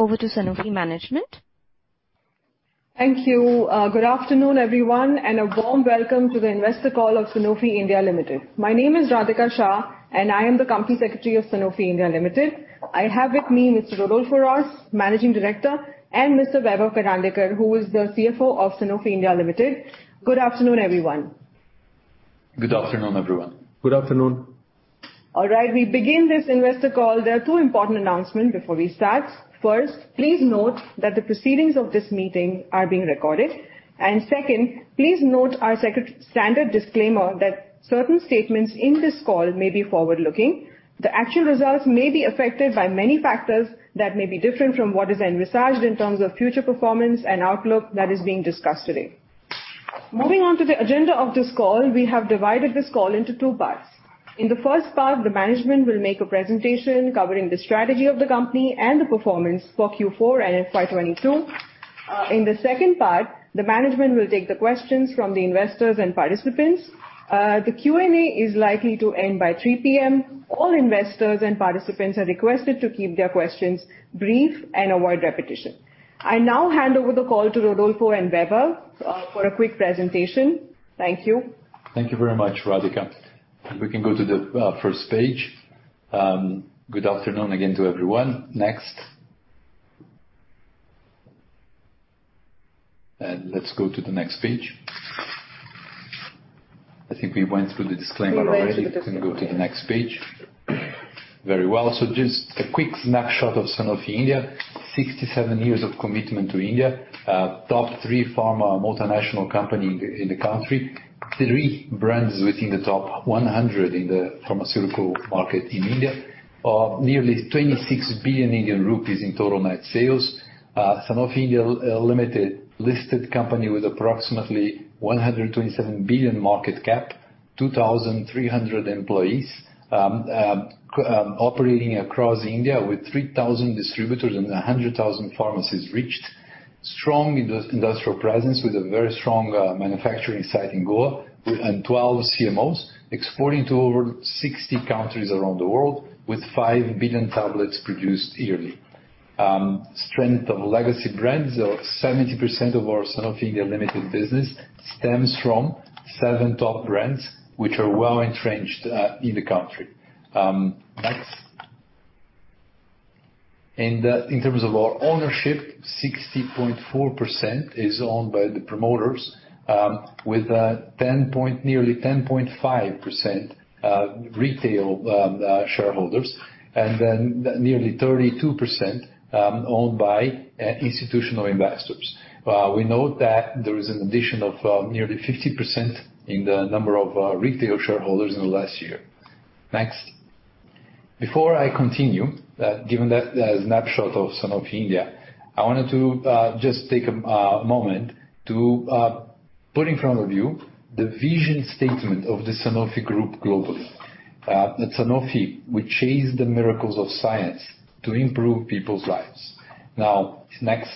Over to Sanofi management. Thank you. Good afternoon, everyone, a warm welcome to the Investor Call of Sanofi India Limited. My name is Radhika Shah, I am the Company Secretary of Sanofi India Limited. I have with me Mr. Rodolfo Hrosz, Managing Director, Mr. Vaibhav Karandikar, who is the CFO of Sanofi India Limited. Good afternoon, everyone. Good afternoon, everyone. Good afternoon. All right, we begin this investor call. There are two important announcements before we start. First, please note that the proceedings of this meeting are being recorded. Second, please note our standard disclaimer that certain statements in this call may be forward-looking. The actual results may be affected by many factors that may be different from what is envisaged in terms of future performance and outlook that is being discussed today. Moving on to the agenda of this call, we have divided this call into two parts. In the first part, the management will make a presentation covering the strategy of the company and the performance for Q4 and in FY 2022. In the second part, the management will take the questions from the investors and participants. The Q&A is likely to end by 3:00 P.M. All investors and participants are requested to keep their questions brief and avoid repetition. I now hand over the call to Rodolfo and Vaibhav, for a quick presentation. Thank you. Thank you very much, Radhika. We can go to the first page. Good afternoon again to everyone. Next. Let's go to the next page. I think we went through the disclaimer already. We went through the disclaimer. Can go to the next page. Very well. Just a quick snapshot of Sanofi India. 67 years of commitment to India. Top three pharma multinational company in the country. Three brands within the top 100 in the pharmaceutical market in India. Nearly 26 billion Indian rupees in total net sales. Sanofi India Limited, listed company with approximately 127 billion market cap, 2,300 employees, operating across India with 3,000 distributors and 100,000 pharmacies reached. Strong industrial presence with a very strong manufacturing site in Goa and 12 CMOs exporting to over 60 countries around the world with 5 billion tablets produced yearly. Strength of legacy brands of 70% of our Sanofi India Limited business stems from seven top brands which are well-entrenched in the country. Next. In terms of our ownership, 60.4% is owned by the promoters, with nearly 10.5% retail shareholders, and then nearly 32% owned by institutional investors. We note that there is an addition of nearly 50% in the number of retail shareholders in the last year. Next. Before I continue, given that snapshot of Sanofi India, I wanted to just take a moment to put in front of you the vision statement of the Sanofi Group globally. At Sanofi, we chase the miracles of science to improve people's lives. Now, next.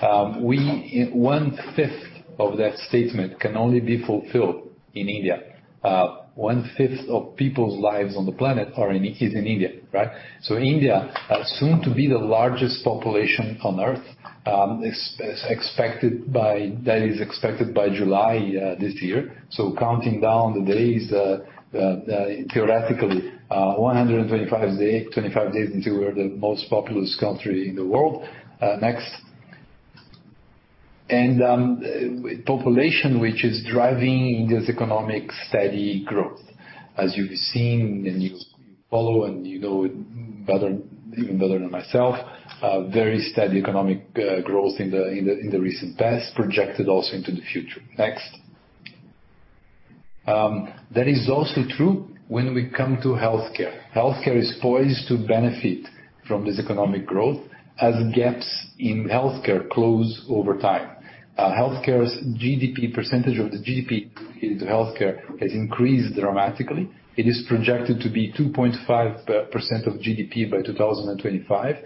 One-fifth of that statement can only be fulfilled in India. One-fifth of people's lives on the planet is in India, right? India, soon to be the largest population on Earth, that is expected by July this year. Counting down the days, theoretically, 125 days until we're the most populous country in the world. Next. Population which is driving India's economic steady growth, as you've seen and you follow and you know it better, even better than myself, very steady economic growth in the recent past, projected also into the future. Next. That is also true when we come to healthcare. Healthcare is poised to benefit from this economic growth as gaps in healthcare close over time. Healthcare's GDP, percentage of the GDP into healthcare has increased dramatically. It is projected to be 2.5% of GDP by 2025,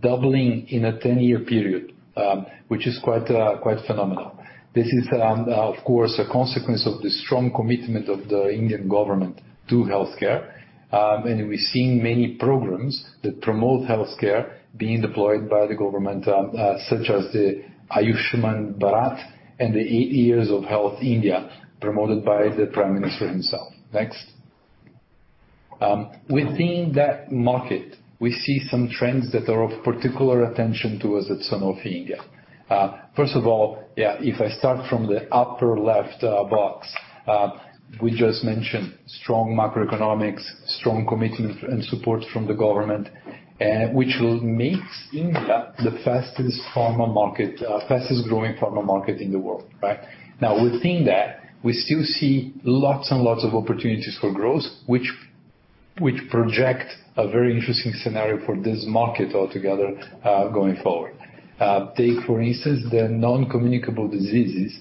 doubling in a 10-year period, which is quite phenomenal. This is, of course, a consequence of the strong commitment of the Indian government to healthcare. We've seen many programs that promote healthcare being deployed by the government, such as the Ayushman Bharat and the eight years of HealthIndia, promoted by the Prime Minister himself. Next. Within that market, we see some trends that are of particular attention to us at Sanofi India. First of all, yeah, if I start from the upper left box, we just mentioned strong macroeconomics, strong commitment and support from the government, which will make India the fastest pharma market, fastest-growing pharma market in the world, right? Within that, we still see lots and lots of opportunities for growth, which project a very interesting scenario for this market altogether, going forward. Take for instance, the non-communicable diseases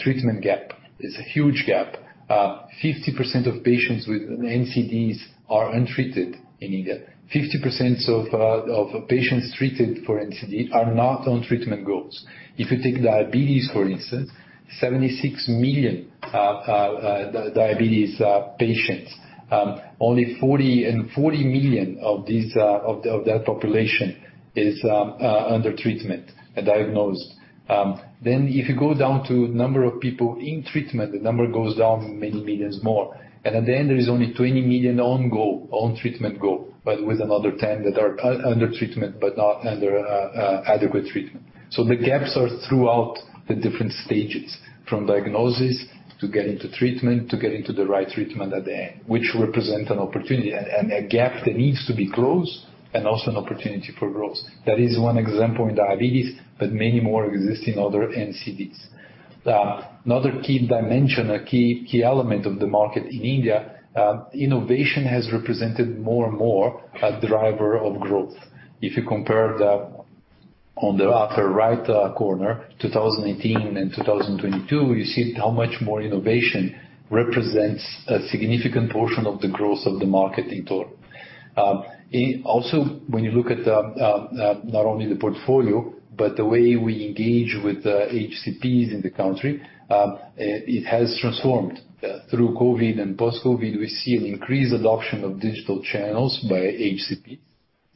treatment gap. It's a huge gap. 50% of patients with NCDs are untreated in India. 50% of patients treated for NCD are not on treatment goals. If you take diabetes, for instance, 76 million diabetes patients, and 40 million of these of that population is under treatment and diagnosed. If you go down to number of people in treatment, the number goes down many millions more. At the end, there is only 20 million on goal, on treatment goal, but with another 10 that are under treatment but not under adequate treatment. The gaps are throughout the different stages, from diagnosis to getting to treatment, to getting to the right treatment at the end, which represent an opportunity and a gap that needs to be closed and also an opportunity for growth. That is one example in diabetes, but many more exist in other NCDs. Another key dimension, a key element of the market in India, innovation has represented more and more a driver of growth. If you compare the, on the upper right, corner, 2018 and 2022, you see how much more innovation represents a significant portion of the growth of the market in total. Also, when you look at the, not only the portfolio, but the way we engage with the HCPs in the country, it has transformed. Through COVID and post-COVID, we see an increased adoption of digital channels by HCP,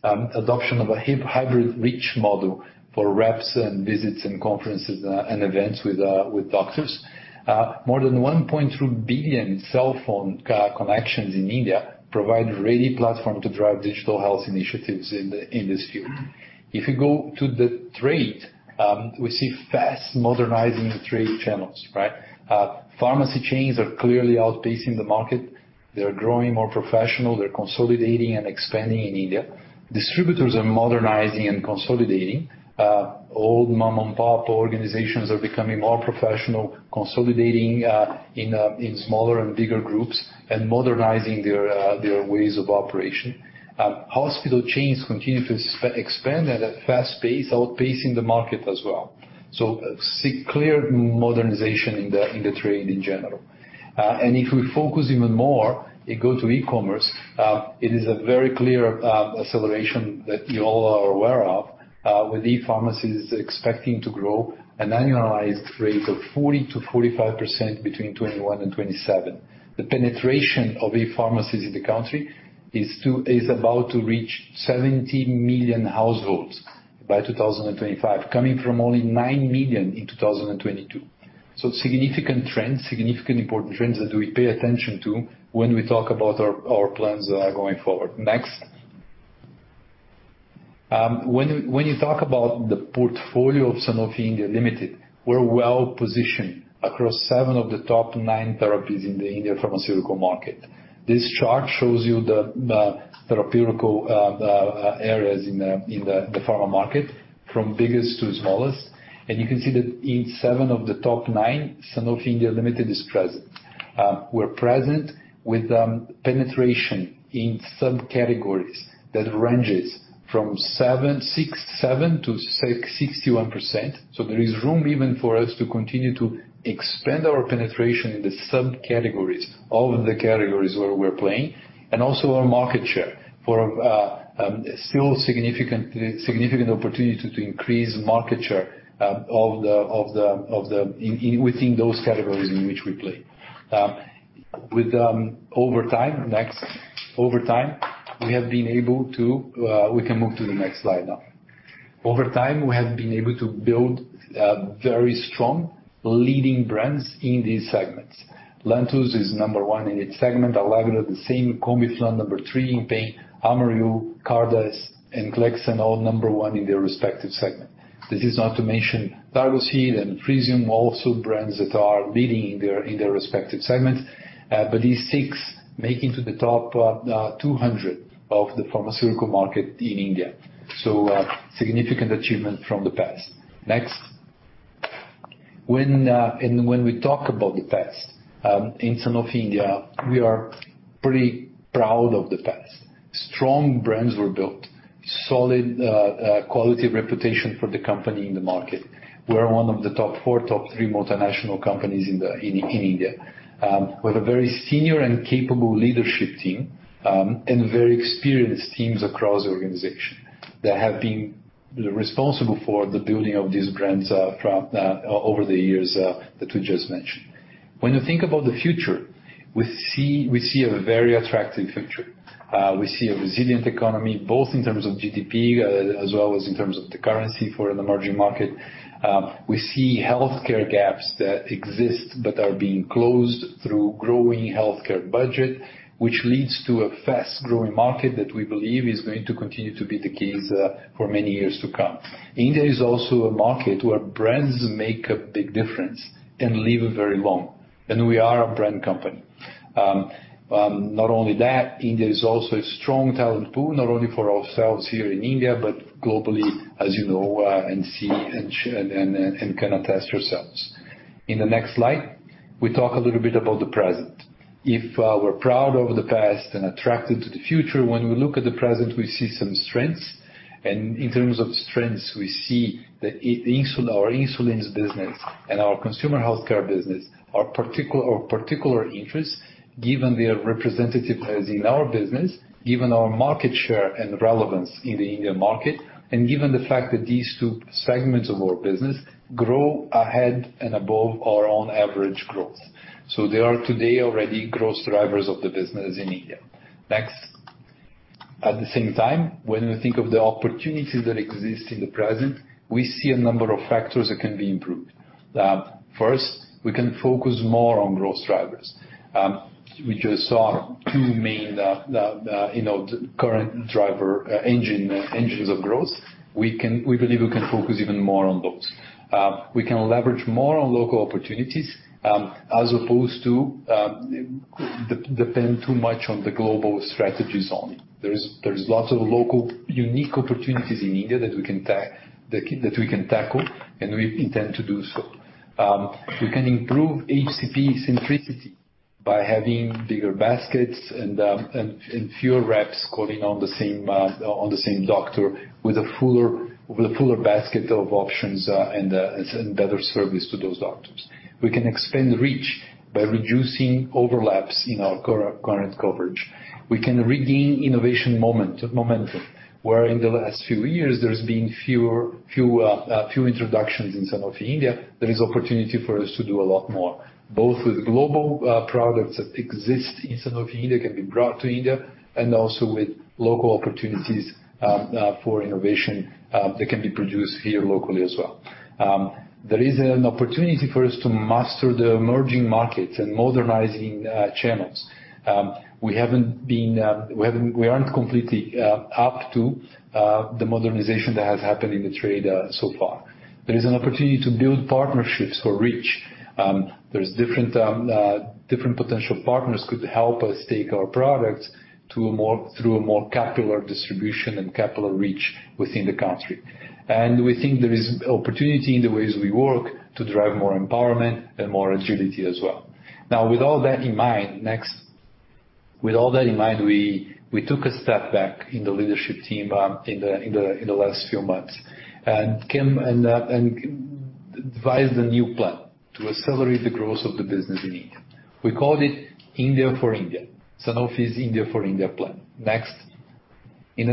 adoption of a hybrid reach model for reps and visits and conferences and events with doctors. More than 1.2 billion cell phone connections in India provide ready platform to drive digital health initiatives in this field. If you go to the trade, we see fast modernizing trade channels, right? Pharmacy chains are clearly outpacing the market. They are growing more professional. They're consolidating and expanding in India. Distributors are modernizing and consolidating. Old mom-and-pop organizations are becoming more professional, consolidating in smaller and bigger groups and modernizing their ways of operation. Hospital chains continue to expand at a fast pace, outpacing the market as well. See clear modernization in the trade in general. If we focus even more and go to e-commerce, it is a very clear acceleration that you all are aware of, with e-pharmacies expecting to grow an annualized rate of 40%-45% between 2021 and 2027. The penetration of e-pharmacies in the country is about to reach 70 million households by 2025, coming from only 9 million in 2022. Significant trends, significant important trends that we pay attention to when we talk about our plans going forward. Next. When you talk about the portfolio of Sanofi India Limited, we're well-positioned across seven of the top nine therapies in the India Pharmaceutical Market. This chart shows you the therapeutical areas in the pharma market from biggest to smallest. You can see that in seven of the top nine, Sanofi India Limited is present. We're present with penetration in subcategories that ranges from 767%-661%. There is room even for us to continue to expand our penetration in the subcategories, all of the categories where we're playing, and also our market share for still significant opportunity to increase market share of the within those categories in which we play. Over time, we have been able to build very strong leading brands in these segments. Lantus is number one in its segment. Allegra, the same. Combiflam, number three in pain. Amaryl, Cardace, and Clexane, all number one in their respective segment. This is not to mention Targocid and Frisium, also brands that are leading in their respective segments. These six make it to the top 200 of the pharmaceutical market in India. Significant achievement from the past. Next. When and when we talk about the past, in Sanofi India, we are pretty proud of the past. Strong brands were built, solid quality reputation for the company in the market. We're one of the top four, top three multinational companies in India, with a very senior and capable leadership team and very experienced teams across the organization that have been responsible for the building of these brands throughout over the years that we just mentioned. When you think about the future, we see a very attractive future. We see a resilient economy, both in terms of GDP, as well as in terms of the currency for an emerging market. We see healthcare gaps that exist but are being closed through growing healthcare budget, which leads to a fast-growing market that we believe is going to continue to be the case for many years to come. India is also a market where brands make a big difference and live very long, we are a brand company. Not only that, India is also a strong talent pool, not only for ourselves here in India, but globally, as you know, and see and can attest yourselves. In the next slide, we talk a little bit about the present. If we're proud of the past and attracted to the future, when we look at the present, we see some strengths. In terms of strengths, we see that insulin, our insulins business and our consumer healthcare business are of particular interest given their representative as in our business, given our market share and relevance in the India market, and given the fact that these two segments of our business grow ahead and above our own average growth. They are today already growth drivers of the business in India. Next. At the same time, when we think of the opportunities that exist in the present, we see a number of factors that can be improved. First, we can focus more on growth drivers, which are two main, you know, current driver, engines of growth. We believe we can focus even more on those. We can leverage more on local opportunities, as opposed to depend too much on the global strategies only. There's lots of local unique opportunities in India that we can tackle, and we intend to do so. We can improve HCP centricity by having bigger baskets and fewer reps calling on the same doctor with a fuller basket of options and better service to those doctors. We can expand reach by reducing overlaps in our current coverage. We can regain innovation momentum, where in the last few years there's been fewer introductions in Sanofi India. There is opportunity for us to do a lot more, both with global products that exist in Sanofi India, can be brought to India, and also with local opportunities for innovation that can be produced here locally as well. There is an opportunity for us to master the emerging markets and modernizing channels. We aren't completely up to the modernization that has happened in the trade so far. There is an opportunity to build partnerships for reach. There's different potential partners could help us take our products through a more capital distribution and capital reach within the country. We think there is opportunity in the ways we work to drive more empowerment and more agility as well. Now, with all that in mind. Next. With all that in mind, we took a step back in the leadership team in the last few months, came and devised a new plan to accelerate the growth of the business in India. We called it India for India. Sanofi's India for India plan. Next. In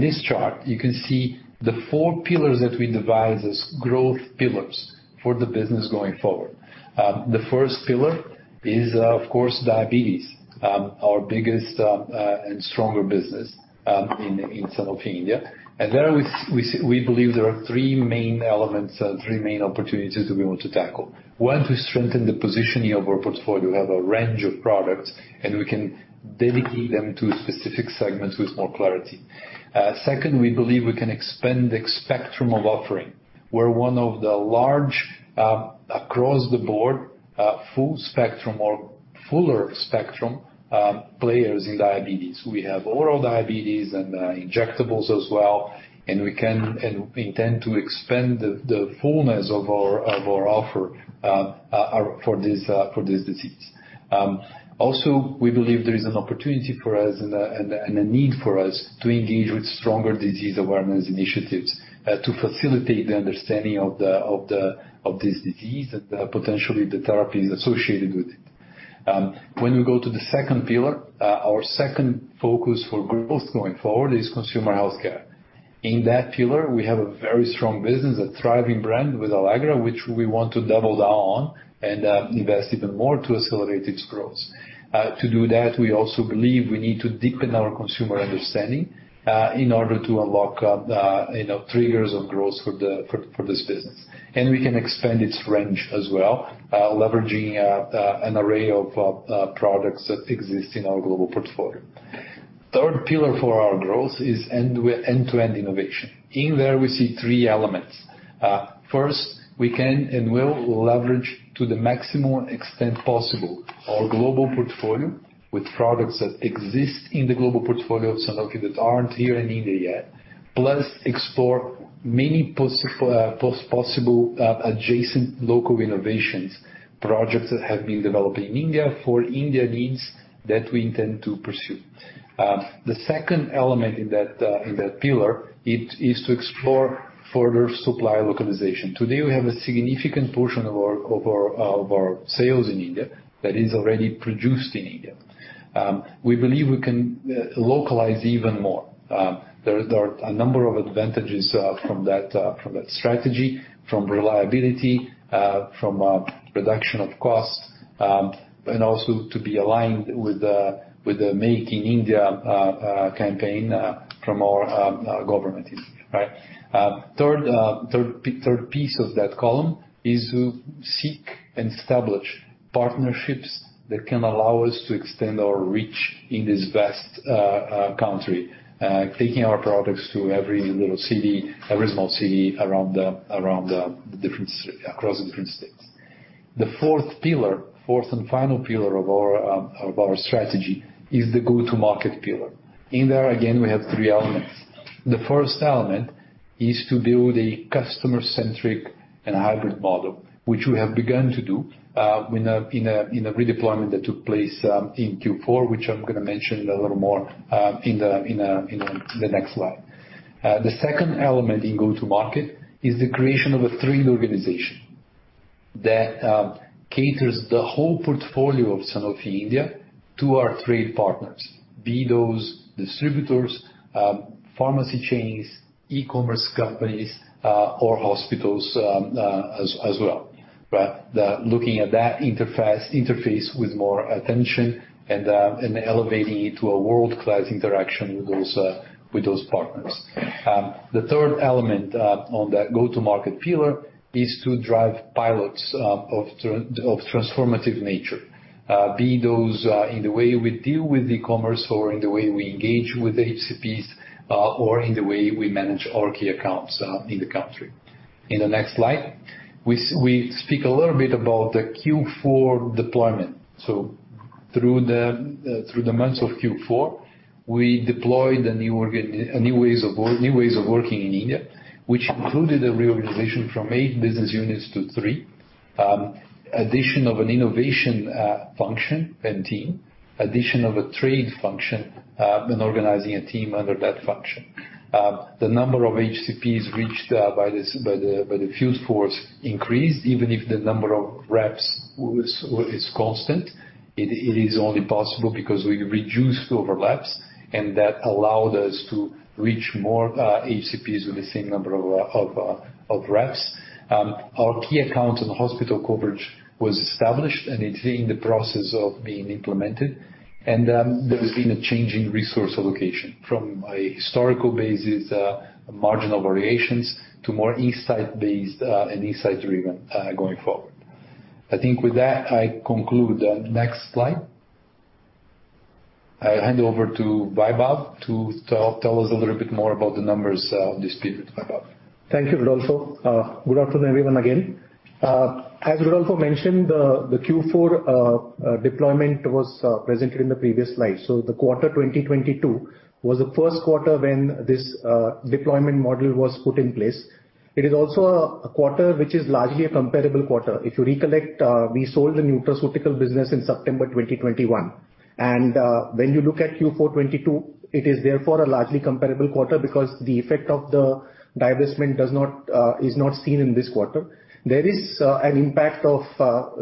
this chart, you can see the four pillars that we devised as growth pillars for the business going forward. The first pillar is, of course, diabetes, our biggest and stronger business in Sanofi India. There we believe there are three main elements and three main opportunities that we want to tackle. One, to strengthen the positioning of our portfolio. We have a range of products, and we can dedicate them to specific segments with more clarity. Second, we believe we can expand the spectrum of offering. We're one of the large, across-the-board, full spectrum or fuller spectrum, players in diabetes. We have oral diabetes and injectables as well, and we can and intend to expand the fullness of our offer for this disease. Also, we believe there is an opportunity for us and a need for us to engage with stronger disease awareness initiatives to facilitate the understanding of this disease and potentially the therapies associated with it. When we go to the second pillar, our second focus for growth going forward is consumer healthcare. In that pillar, we have a very strong business, a thriving brand with Allegra, which we want to double down on and invest even more to accelerate its growth. To do that, we also believe we need to deepen our consumer understanding in order to unlock, you know, triggers of growth for this business. We can expand its range as well, leveraging an array of products that exist in our global portfolio. Third pillar for our growth is end-to-end innovation. In there, we see three elements. First, we can and will leverage to the maximum extent possible our global portfolio with products that exist in the global portfolio of Sanofi that aren't here in India yet. Plus explore many possible adjacent local innovations, projects that have been developed in India for India needs that we intend to pursue. The second element in that pillar it is to explore further supply localization. Today, we have a significant portion of our sales in India that is already produced in India. We believe we can localize even more. There are a number of advantages from that strategy, from reliability, from reduction of cost, and also to be aligned with the Make in India campaign from our government. Right? Third piece of that column is to seek and establish partnerships that can allow us to extend our reach in this vast country. Taking our products to every little city, every small city across the different states. The fourth pillar, fourth and final pillar of our of our strategy is the go-to-market pillar. In there, again, we have three elements. The first element is to build a customer-centric and hybrid model, which we have begun to do in a redeployment that took place in Q4, which I'm going to mention a little more in the next slide. The second element in go-to-market is the creation of a trade organization that caters the whole portfolio of Sanofi India to our trade partners, be those distributors, pharmacy chains, e-commerce companies, or hospitals as well. Looking at that interface with more attention and elevating it to a world-class interaction with those partners. The third element on that go-to-market pillar is to drive pilots of transformative nature, be those in the way we deal with e-commerce or in the way we engage with the HCPs or in the way we manage our key accounts in the country. In the next slide, we speak a little bit about the Q4 deployment. Through the months of Q4, we deployed the new ways of working in India, which included a reorganization from eight business units to three. Addition of an innovation function and team. Addition of a trade function and organizing a team under that function. The number of HCPs reached by the field force increased, even if the number of reps was constant. It is only possible because we reduced overlaps, that allowed us to reach more HCPs with the same number of reps. Our key accounts and hospital coverage was established, it's in the process of being implemented. There's been a change in resource allocation from a historical basis, marginal variations to more insight-based and insight-driven going forward. I think with that, I conclude. Next slide. I hand over to Vaibhav to tell us a little bit more about the numbers this period. Vaibhav. Thank you, Rodolfo. Good afternoon, everyone, again. As Rodolfo mentioned, the Q4 deployment was presented in the previous slide. The quarter 2022 was the first quarter when this deployment model was put in place. It is also a quarter which is largely a comparable quarter. If you recollect, we sold the nutraceutical business in September 2021, and when you look at Q4 2022, it is therefore a largely comparable quarter because the effect of the divestment does not is not seen in this quarter. There is an impact of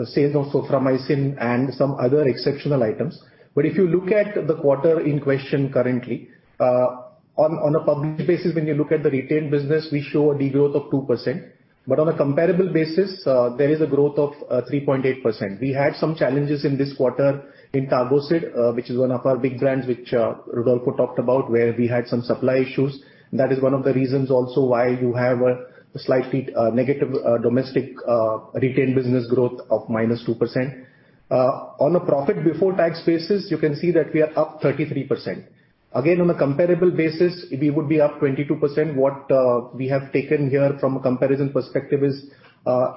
sales of Soframycin and some other exceptional items. If you look at the quarter in question currently, on a published basis, when you look at the retained business, we show a de-growth of 2%, but on a comparable basis, there is a growth of 3.8%. We had some challenges in this quarter in Tagamet, which is one of our big brands, which Rodolfo talked about, where we had some supply issues. That is one of the reasons also why you have a slight, negative, domestic, retained business growth of -2%. On a profit before tax basis, you can see that we are up 33%. Again, on a comparable basis, we would be up 22%. What we have taken here from a comparison perspective is,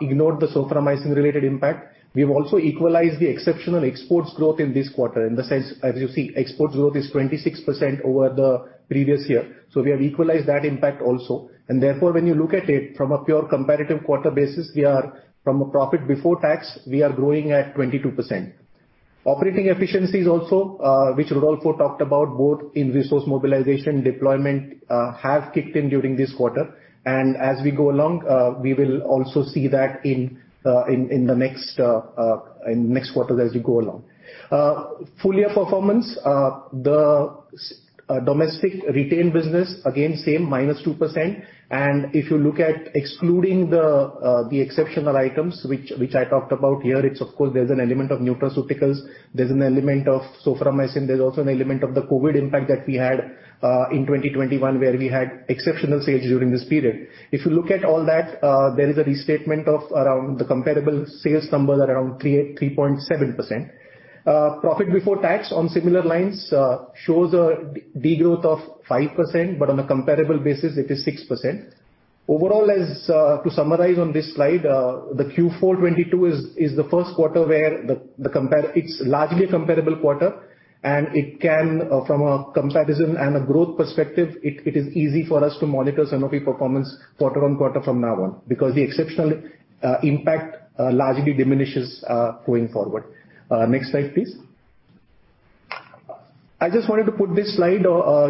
ignored the Soframycin-related impact. We've also equalized the exceptional exports growth in this quarter. In the sense, as you see, export growth is 26% over the previous year. We have equalized that impact also. Therefore, when you look at it from a pure comparative quarter basis, we are from a profit before tax, we are growing at 22%. Operating efficiencies also, which Rodolfo talked about, both in resource mobilization, deployment, have kicked in during this quarter. As we go along, we will also see that in the next quarter as we go along. Full-year performance, the domestic retained business, again, same -2%. If you look at excluding the exceptional items which I talked about here, it's of course there's an element of nutraceuticals, there's an element of Soframycin, there's also an element of the COVID impact that we had in 2021, where we had exceptional sales during this period. If you look at all that, there is a restatement of around the comparable sales number at around 3.7%. Profit before tax on similar lines shows a de-growth of 5%, but on a comparable basis it is 6%. Overall, as to summarize on this slide, the Q4 2022 is the first quarter where the compare... It's largely a comparable quarter. It can from a comparison and a growth perspective, it is easy for us to monitor Sanofi performance quarter on quarter from now on, because the exceptional impact largely diminishes going forward. Next slide, please. I just wanted to put this slide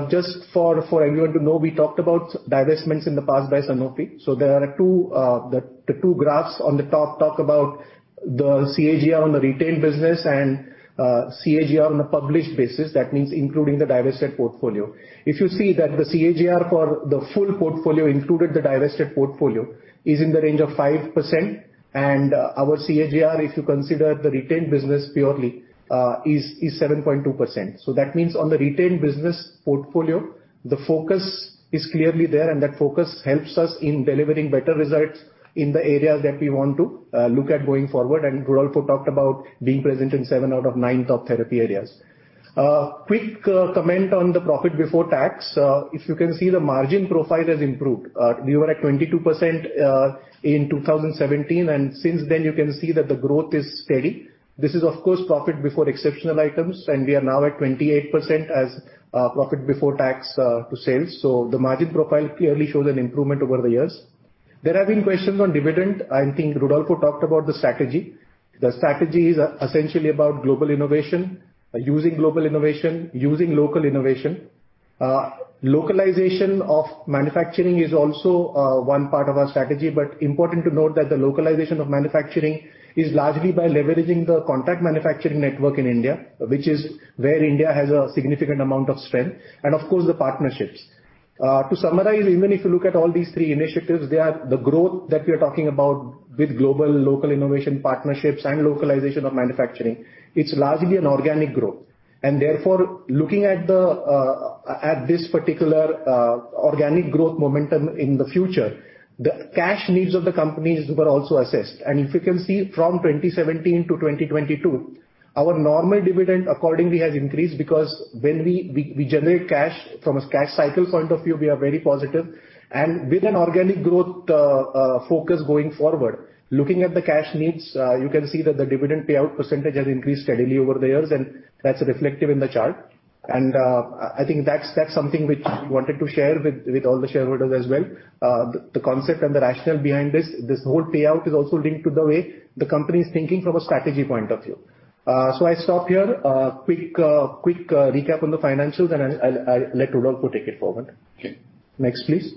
just for everyone to know, we talked about divestments in the past by Sanofi. There are two the two graphs on the top talk about the CAGR on the retained business and CAGR on the published business. That means including the divested portfolio. If you see that the CAGR for the full portfolio, including the divested portfolio, is in the range of 5%. Our CAGR, if you consider the retained business purely, is 7.2%. That means on the retained business portfolio, the focus is clearly there, and that focus helps us in delivering better results in the areas that we want to look at going forward. Rodolfo talked about being present in seven out of nine top therapy areas. Quick comment on the profit before tax. If you can see, the margin profile has improved. We were at 22% in 2017, and since then, you can see that the growth is steady. This is of course profit before exceptional items, and we are now at 28% as profit before tax to sales. The margin profile clearly shows an improvement over the years. There have been questions on dividend. I think Rodolfo talked about the strategy. The strategy is essentially about global innovation, using global innovation, using local innovation. Localization of manufacturing is also one part of our strategy. Important to note that the localization of manufacturing is largely by leveraging the contract manufacturing network in India, which is where India has a significant amount of strength, and of course, the partnerships. To summarize, even if you look at all these three initiatives, they are the growth that we are talking about with global, local innovation partnerships and localization of manufacturing. It's largely an organic growth. Therefore, looking at this particular organic growth momentum in the future, the cash needs of the companies were also assessed. If you can see from 2017-2022, our normal dividend accordingly has increased because when we generate cash from a cash cycle point of view, we are very positive. With an organic growth focus going forward, looking at the cash needs, you can see that the dividend payout percentage has increased steadily over the years, and that's reflective in the chart. I think that's something which we wanted to share with all the shareholders as well. The concept and the rationale behind this whole payout is also linked to the way the company is thinking from a strategy point of view. I stop here. A quick recap on the financials, and I'll let Rodolfo take it forward. Okay. Next, please.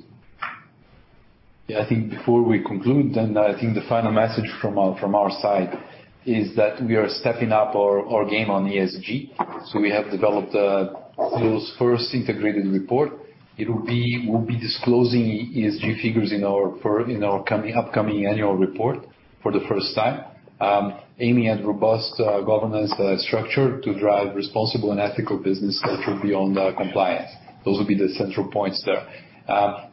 Yeah. I think before we conclude, I think the final message from our side is that we are stepping up our game on ESG. We have developed those first integrated report. We'll be disclosing ESG figures in our upcoming annual report for the first time. Aiming at robust governance structure to drive responsible and ethical business culture beyond compliance. Those will be the central points there.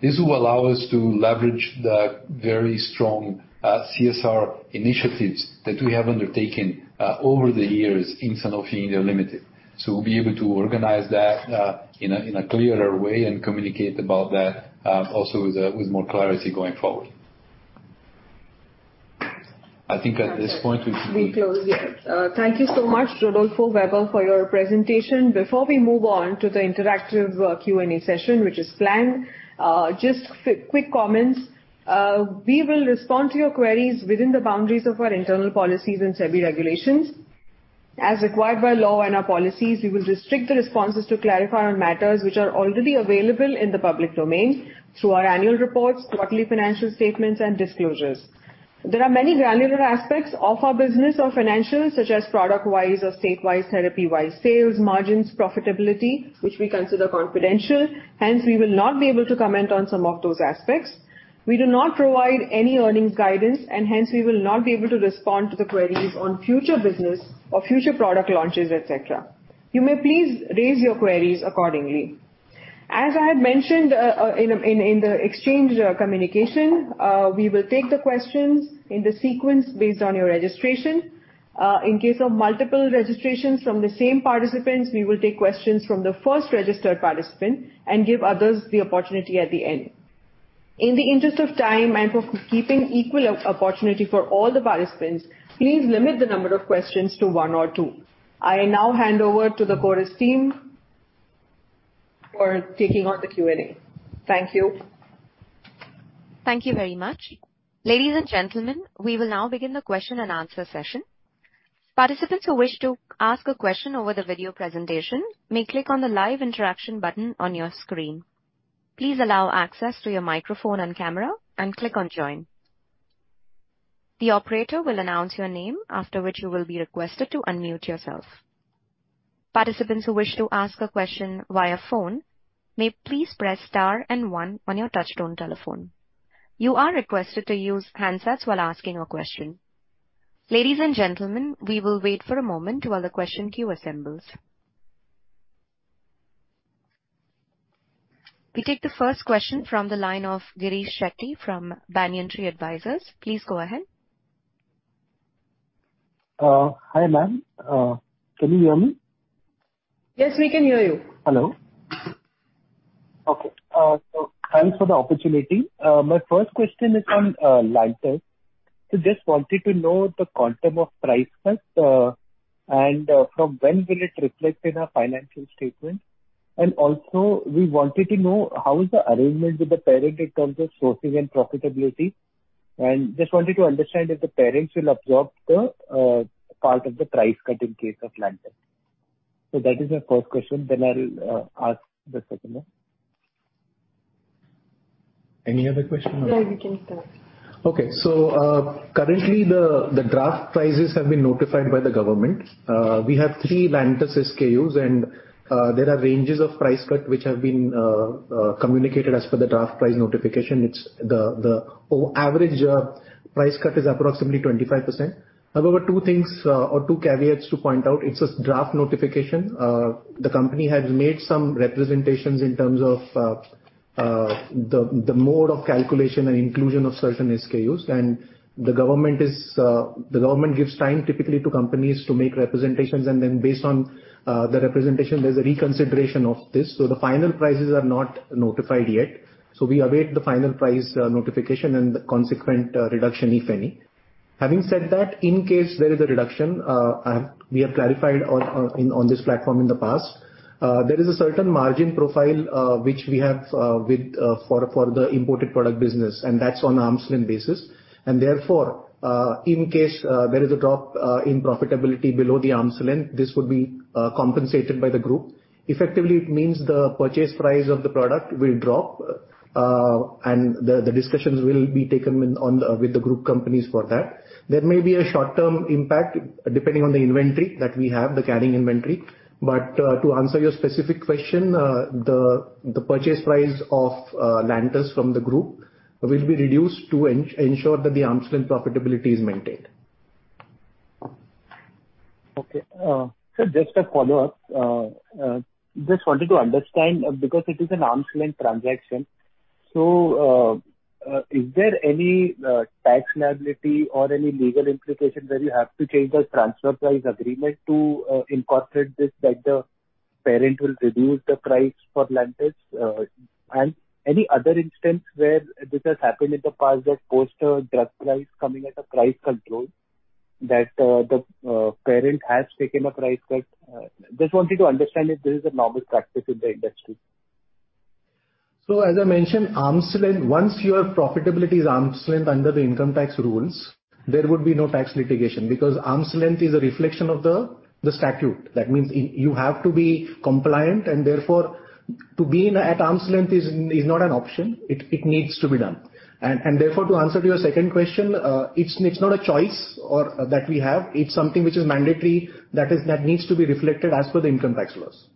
This will allow us to leverage the very strong CSR initiatives that we have undertaken over the years in Sanofi India Limited. We'll be able to organize that in a clearer way and communicate about that also with more clarity going forward. We close, yes. Thank you so much, Rodolfo, Vaibhav, for your presentation. Before we move on to the interactive Q&A session, which is planned, just quick comments. We will respond to your queries within the boundaries of our internal policies and SEBI regulations. As required by law and our policies, we will restrict the responses to clarify on matters which are already available in the public domain through our annual reports, quarterly financial statements and disclosures. There are many granular aspects of our business or financials, such as product wise or state wise, therapy wise, sales, margins, profitability, which we consider confidential, hence we will not be able to comment on some of those aspects. We do not provide any earnings guidance, hence we will not be able to respond to the queries on future business or future product launches, et cetera. You may please raise your queries accordingly. As I had mentioned, in the exchange communication, we will take the questions in the sequence based on your registration. In case of multiple registrations from the same participants, we will take questions from the first registered participant and give others the opportunity at the end. In the interest of time and for keeping equal opportunity for all the participants, please limit the number of questions to one or two. I now hand over to the Chorus team for taking on the Q&A. Thank you. Thank you very much. Ladies and gentlemen, we will now begin the question and answer session. Participants who wish to ask a question over the video presentation may click on the live interaction button on your screen. Please allow access to your microphone and camera and click on Join. The operator will announce your name, after which you will be requested to unmute yourself. Participants who wish to ask a question via phone, may please press star and one on your touchtone telephone. You are requested to use handsets while asking a question. Ladies and gentlemen, we will wait for a moment while the question queue assembles. We take the first question from the line of Girish Shetty from Banyan Tree Advisors. Please go ahead. Hi, ma'am. Can you hear me? Yes, we can hear you. Hello. Okay. Thanks for the opportunity. My first question is on Lantus. Just wanted to know the quantum of price cut and from when will it reflect in our financial statement. Also we wanted to know how is the arrangement with the parent in terms of sourcing and profitability. Just wanted to understand if the parents will absorb the part of the price cut in case of Lantus. That is my first question. I'll ask the second one. Any other question or? No, you can start. Okay. currently the draft prices have been notified by the government. We have three Lantus SKUs, there are ranges of price cut which have been communicated as per the draft price notification. It's the average price cut is approximately 25%. However, two things, or two caveats to point out, it's a draft notification. The company has made some representations in terms of the mode of calculation and inclusion of certain SKUs. The government is the government gives time typically to companies to make representations, and then based on the representation, there's a reconsideration of this. The final prices are not notified yet. We await the final price notification and the consequent reduction, if any. Having said that, in case there is a reduction, we have clarified on this platform in the past, there is a certain margin profile which we have with for the imported product business, and that's on arm's length basis. Therefore, in case there is a drop in profitability below the arm's length, this would be compensated by the group. Effectively, it means the purchase price of the product will drop, the discussions will be taken with the group companies for that. There may be a short-term impact depending on the inventory that we have, the carrying inventory. To answer your specific question, the purchase price of Lantus from the group will be reduced to ensure that the arm's length profitability is maintained. Okay. sir, just a follow-up. just wanted to understand because it is an arm's length transaction, is there any tax liability or any legal implication where you have to change the transfer price agreement to incorporate this, that the parent will reduce the price for Lantus? Any other instance where this has happened in the past that post a drug price coming at a price control that the parent has taken a price cut? Just wanted to understand if this is a normal practice in the industry? As I mentioned, arm's length, once your profitability is arm's length under the income tax rules, there would be no tax litigation because arm's length is a reflection of the statute. That means you have to be compliant and therefore to be at arm's length is not an option. It needs to be done. Therefore, to answer to your second question, it's not a choice or... that we have. It's something which is mandatory that needs to be reflected as per the income tax laws.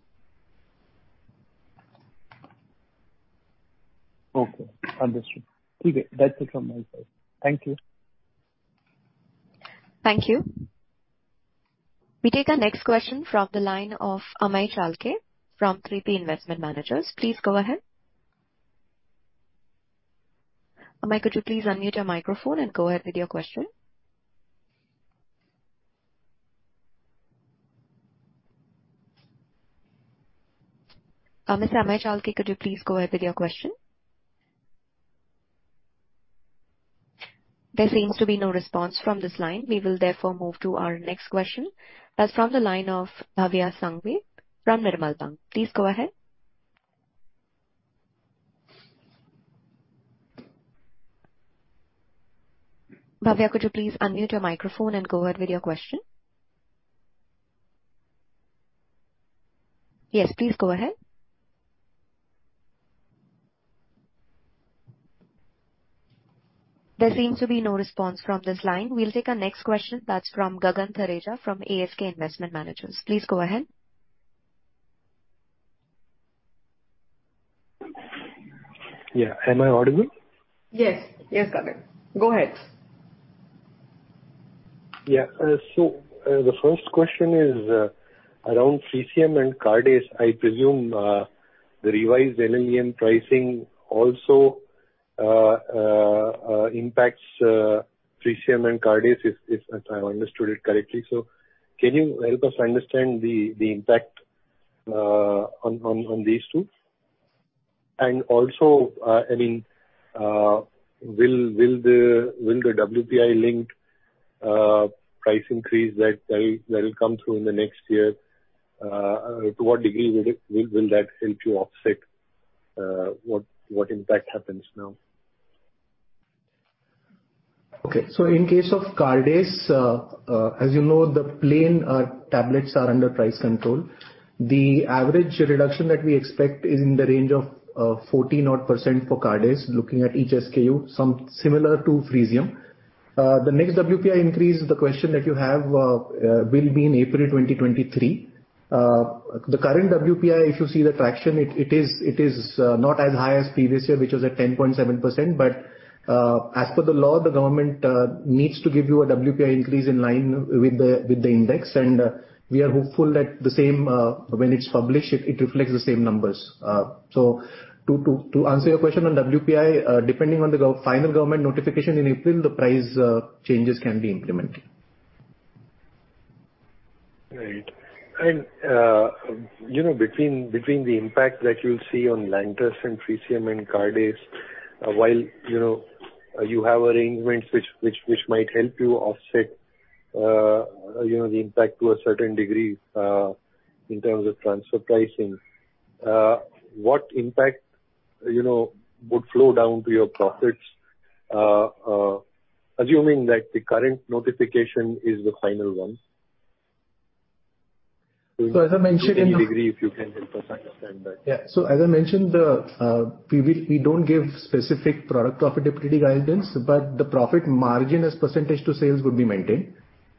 Okay. Understood. Okay. That's it from my side. Thank you. Thank you. We take our next question from the line of Amay Chalke from IIFL Investment Managers. Please go ahead. Amay, could you please unmute your microphone and go ahead with your question. Mr. Amay Chalke, could you please go ahead with your question? There seems to be no response from this line. We will therefore move to our next question. That's from the line of Bhavya Sanghavi from Nirmal Bang. Please go ahead. Bhavya, could you please unmute your microphone and go ahead with your question? Yes, please go ahead. There seems to be no response from this line. We'll take our next question. That's from Gagan Thareja from ASK Investment Managers. Please go ahead. Yeah. Am I audible? Yes. Yes, Gagan. Go ahead. The first question is around Frisium and Cardace. I presume, the revised NLEM pricing also impacts Frisium and Cardace if I understood it correctly. Can you help us understand the impact on these two? Also, I mean, will the WPI-linked price increase that'll come through in the next year, to what degree will that help you offset what impact happens now? In case of Cardace, as you know, the plain tablets are under price control. The average reduction that we expect is in the range of 14 odd % for Cardace looking at each SKU, some similar to Frisium. The next WPI increase, the question that you have, will be in April 2023. The current WPI, if you see the traction, it is not as high as previous year, which was at 10.7%. As per the law, the government needs to give you a WPI increase in line with the index, we are hopeful that the same, when it's published, it reflects the same numbers. To answer your question on WPI, depending on the final government notification in April, the price changes can be implemented. Right. you know, between the impact that you'll see on Lantus and Frisium and Cardace, while, you know, you have arrangements which might help you offset, you know, the impact to a certain degree, in terms of transfer pricing, what impact, you know, would flow down to your profits, assuming that the current notification is the final one? As I mentioned. To what degree, if you can help us understand that? As I mentioned, we don't give specific product profitability guidance, but the profit margin as percentage to sales would be maintained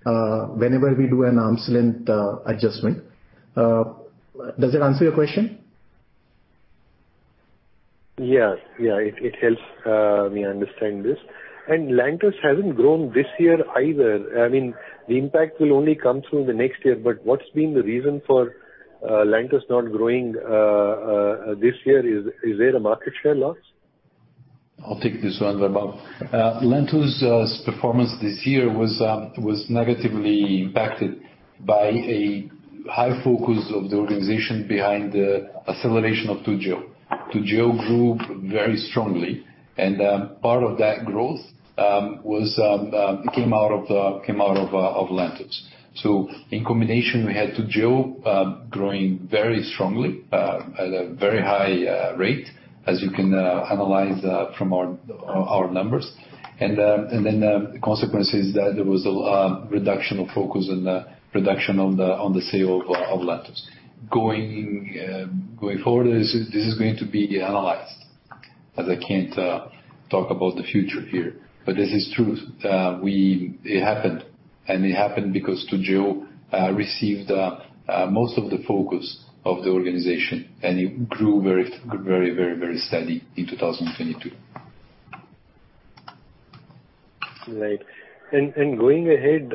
whenever we do an arm's length adjustment. Does that answer your question? Yeah. Yeah. It, it helps me understand this. Lantus hasn't grown this year either. I mean, the impact will only come through in the next year. What's been the reason for Lantus not growing this year? Is there a market share loss? I'll take this one, Vaibhav. Lantus' performance this year was negatively impacted by a high focus of the organization behind the acceleration of Toujeo. Toujeo grew very strongly. Part of that growth was it came out of Lantus. In combination, we had Toujeo growing very strongly at a very high rate, as you can analyze from our numbers. The consequence is that there was a reduction of focus and reduction on the sale of Lantus. Going forward, this is going to be analyzed, as I can't talk about the future here. This is true. It happened, and it happened because Toujeo received most of the focus of the organization, and it grew very steady in 2022. Right. Going ahead,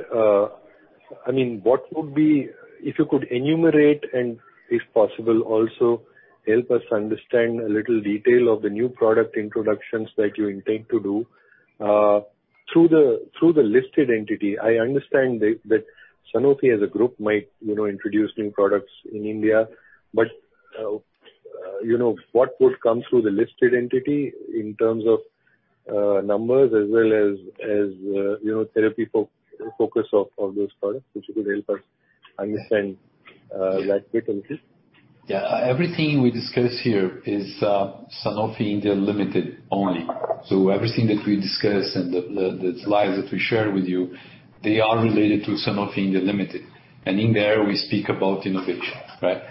I mean, if you could enumerate and if possible, also help us understand a little detail of the new product introductions that you intend to do through the listed entity. I understand that Sanofi as a group might, you know, introduce new products in India, but, you know, what would come through the listed entity in terms of numbers as well as, you know, therapy focus of those products. If you could help us understand that bit a little. Yeah. Everything we discuss here is Sanofi India Limited only. Everything that we discuss and the slides that we share with you, they are related to Sanofi India Limited. In there we speak about innovation, right?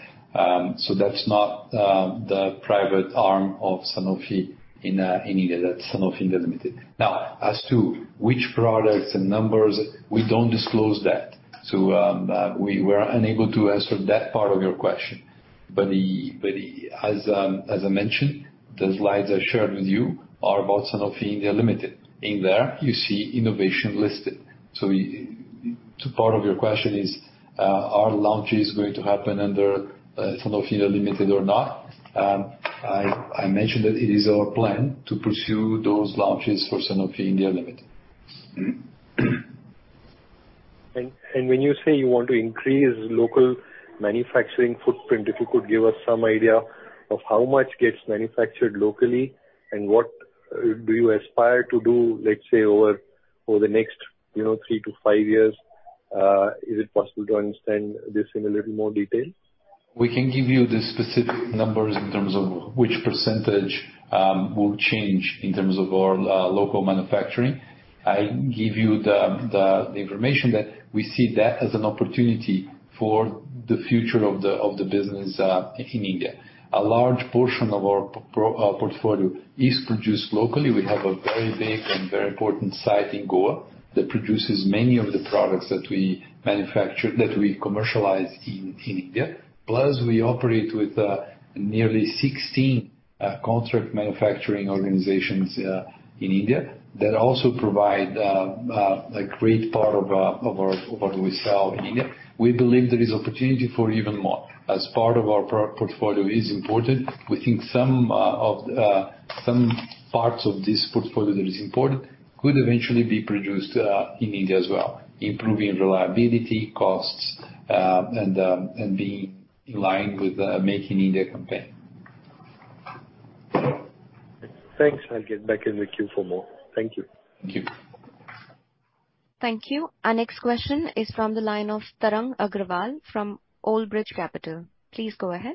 So that's not the private arm of Sanofi in India. That's Sanofi India Limited. Now, as to which products and numbers, we don't disclose that. we're unable to answer that part of your question. But as I mentioned, the slides I shared with you are about Sanofi India Limited. In there you see innovation listed. So part of your question is, are launches going to happen under Sanofi India Limited or not? I mentioned that it is our plan to pursue those launches for Sanofi India Limited. When you say you want to increase local manufacturing footprint, if you could give us some idea of how much gets manufactured locally and what do you aspire to do, let's say, over the next, you know, 3-5 years? Is it possible to understand this in a little more detail? We can give you the specific numbers in terms of which percentage will change in terms of our local manufacturing. I give you the information that we see that as an opportunity for the future of the business in India. A large portion of our portfolio is produced locally. We have a very big and very important site in Goa that produces many of the products that we manufacture, that we commercialize in India. We operate with nearly 16 Contract Manufacturing Organizations in India that also provide a great part of what we sell in India. We believe there is opportunity for even more. As part of our pro-portfolio is imported, we think some of the some parts of this portfolio that is imported could eventually be produced in India as well, improving reliability, costs, and being in line with the Make in India campaign. Thanks. I'll get back in the queue for more. Thank you. Thank you. Thank you. Our next question is from the line of Tarang Agrawal from Old Bridge Capital. Please go ahead.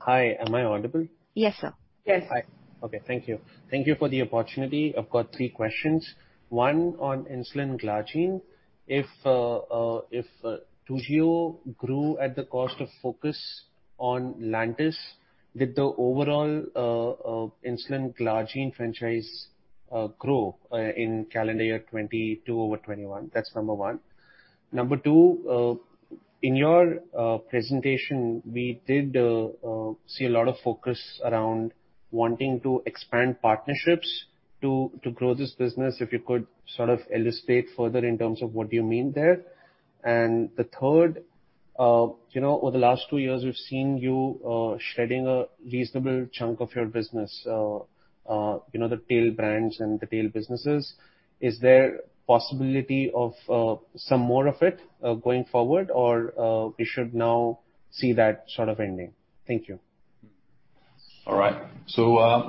Hi, am I audible? Yes, sir. Yes. Hi. Okay. Thank you. Thank you for the opportunity. I've got three questions. One on insulin glargine. If Toujeo grew at the cost of focus on Lantus, did the overall insulin glargine franchise grow in calendar year 2022 over 2021? That's number one. Number two, in your presentation, we did see a lot of focus around wanting to expand partnerships to grow this business. If you could sort of elucidate further in terms of what you mean there. The third, you know, over the last two years, we've seen you shedding a reasonable chunk of your business, you know, the tail brands and the tail businesses. Is there possibility of some more of it going forward? Or we should now see that sort of ending? Thank you. All right.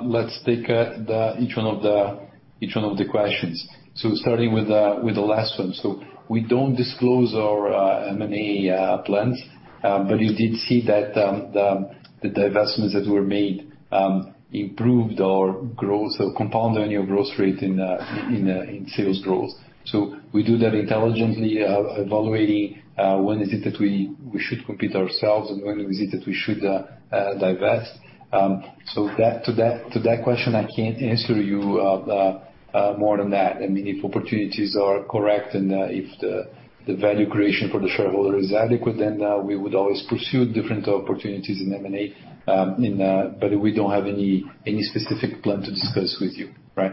Let's take each one of the questions. Starting with the last one. We don't disclose our M&A plans. You did see that the divestments that were made improved our growth or compound annual growth rate in sales growth. We do that intelligently, evaluating when is it that we should compete ourselves and when is it that we should divest. That, to that question, I can't answer you more than that. I mean, if opportunities are correct and if the value creation for the shareholder is adequate, then we would always pursue different opportunities in M&A. We don't have any specific plan to discuss with you, right?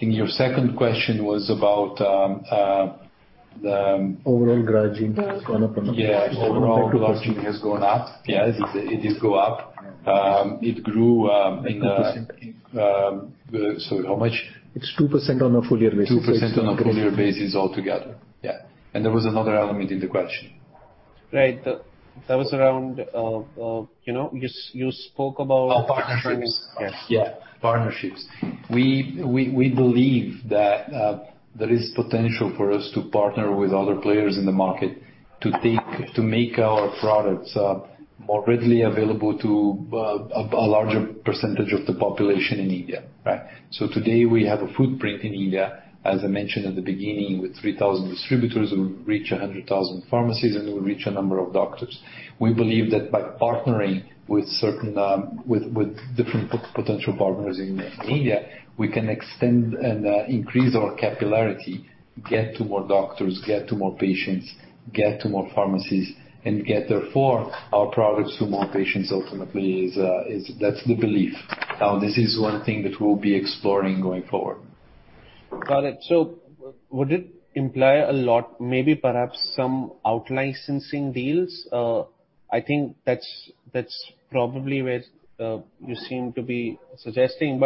Your second question was about. Overall glargine. Yes. Yeah. Overall glargine. Overall glargine has gone up. Yes, it did go up. It grew, in. 2%. Sorry, how much? It's 2% on a full year basis. 2% on a full year basis altogether. Yeah. There was another element in the question. Right. That was around, you know, you spoke about. Oh, partnerships. Yes. Yeah. Partnerships. We believe that there is potential for us to partner with other players in the market to make our products more readily available to a larger percentage of the population in India, right? Today we have a footprint in India, as I mentioned at the beginning, with 3,000 distributors, and we reach 100,000 pharmacies, and we reach a number of doctors. We believe that by partnering with certain with different potential partners in India, we can extend and increase our capillarity, get to more doctors, get to more patients, get to more pharmacies and get therefore our products to more patients ultimately is. That's the belief. This is one thing that we'll be exploring going forward. Got it. Would it imply a lot, maybe perhaps some out-licensing deals? I think that's probably where you seem to be suggesting.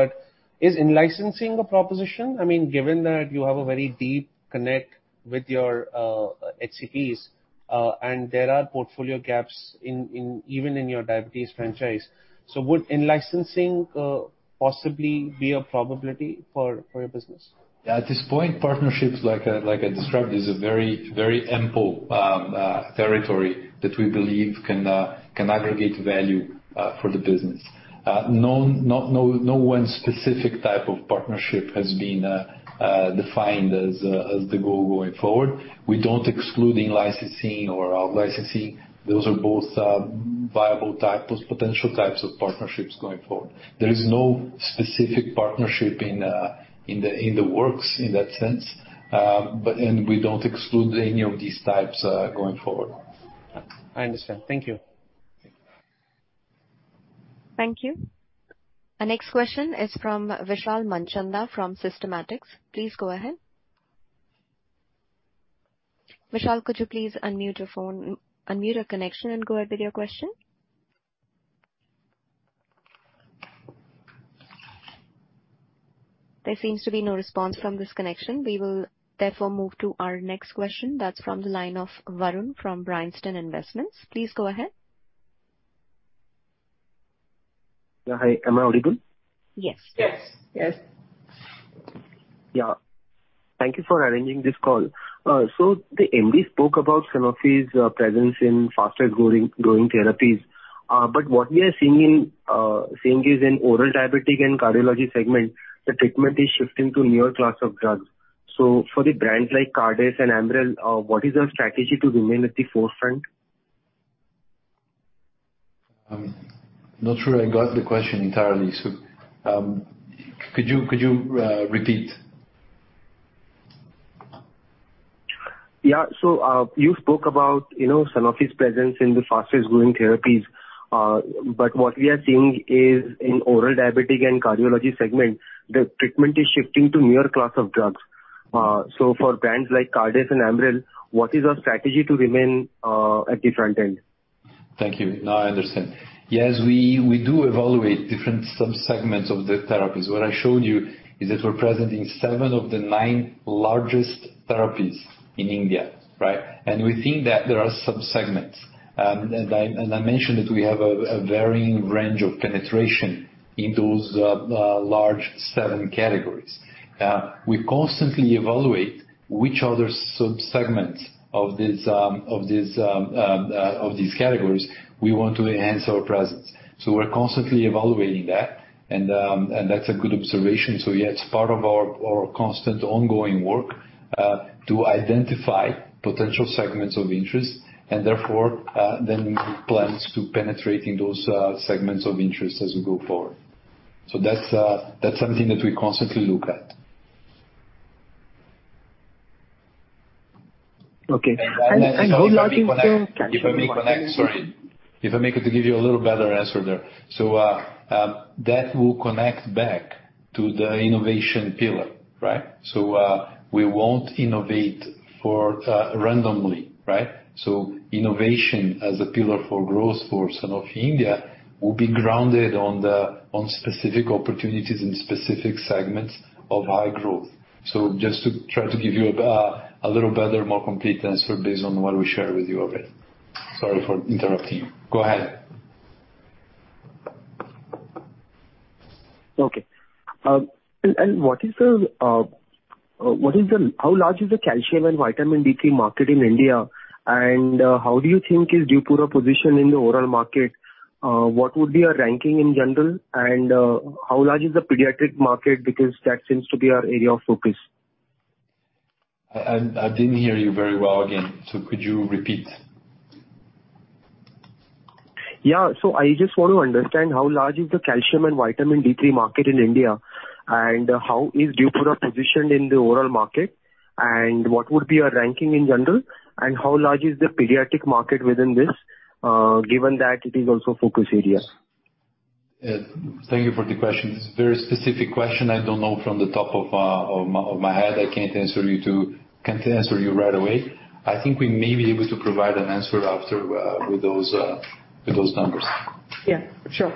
Is in-licensing a proposition? I mean, given that you have a very deep connect with your HCPs, and there are portfolio gaps in even in your diabetes franchise. Would in-licensing possibly be a probability for your business? At this point, partnerships like I described, is a very ample territory that we believe can aggregate value for the business. No one specific type of partnership has been defined as the goal going forward. We don't exclude in-licensing or out-licensing. Those are both viable types, potential types of partnerships going forward. There is no specific partnership in the works in that sense. We don't exclude any of these types going forward. I understand. Thank you. Thank you. Our next question is from Vishal Manchanda from Systematix. Please go ahead. Vishal, could you please unmute your phone, unmute your connection and go ahead with your question. There seems to be no response from this connection. We will therefore move to our next question. That's from the line of Varun from Bryanston Investments. Please go ahead. Yeah. Hi, am I audible? Yes. Yes. Yes. Thank you for arranging this call. The MD spoke about Sanofi's presence in faster-growing therapies. What we are seeing is in oral diabetic and cardiology segment, the treatment is shifting to newer class of drugs. For the brands like Cardace and Amaryl, what is your strategy to remain at the forefront? Not sure I got the question entirely. Could you repeat? You spoke about, you know, Sanofi's presence in the fastest growing therapies. What we are seeing is in oral diabetic and cardiology segment, the treatment is shifting to newer class of drugs. For brands like Cardace and Amaryl, what is your strategy to remain at the front end? Thank you. Now I understand. Yes, we do evaluate different sub-segments of the therapies. What I showed you is that we're present in seven of the nine largest therapies in India, right? We think that there are sub-segments. I mentioned that we have a varying range of penetration in those large seven categories. We constantly evaluate which other sub-segments of these categories we want to enhance our presence. We're constantly evaluating that and that's a good observation. Yeah, it's part of our constant ongoing work to identify potential segments of interest and therefore, then plans to penetrate in those segments of interest as we go forward. That's something that we constantly look at. Okay. how large is. Sorry. If I may, to give you a little better answer there. That will connect back to the innovation pillar, right? We won't innovate for randomly, right? Innovation as a pillar for growth for Sanofi India will be grounded on specific opportunities in specific segments of high growth. Just to try to give you a little better, more complete answer based on what we shared with you already. Sorry for interrupting. Go ahead. Okay. and How large is the calcium and Vitamin D3 market in India? How do you think is Dupixent positioned in the overall market? What would be your ranking in general? How large is the pediatric market? Because that seems to be our area of focus. I didn't hear you very well again. Could you repeat? Yeah. I just want to understand how large is the calcium and Vitamin D3 market in India, and how is Dupixent positioned in the overall market, and what would be your ranking in general, and how large is the pediatric market within this, given that it is also focus area? Thank you for the question. It's a very specific question. I don't know from the top of my head. I can't answer you right away. I think we may be able to provide an answer after with those numbers. Yeah, sure.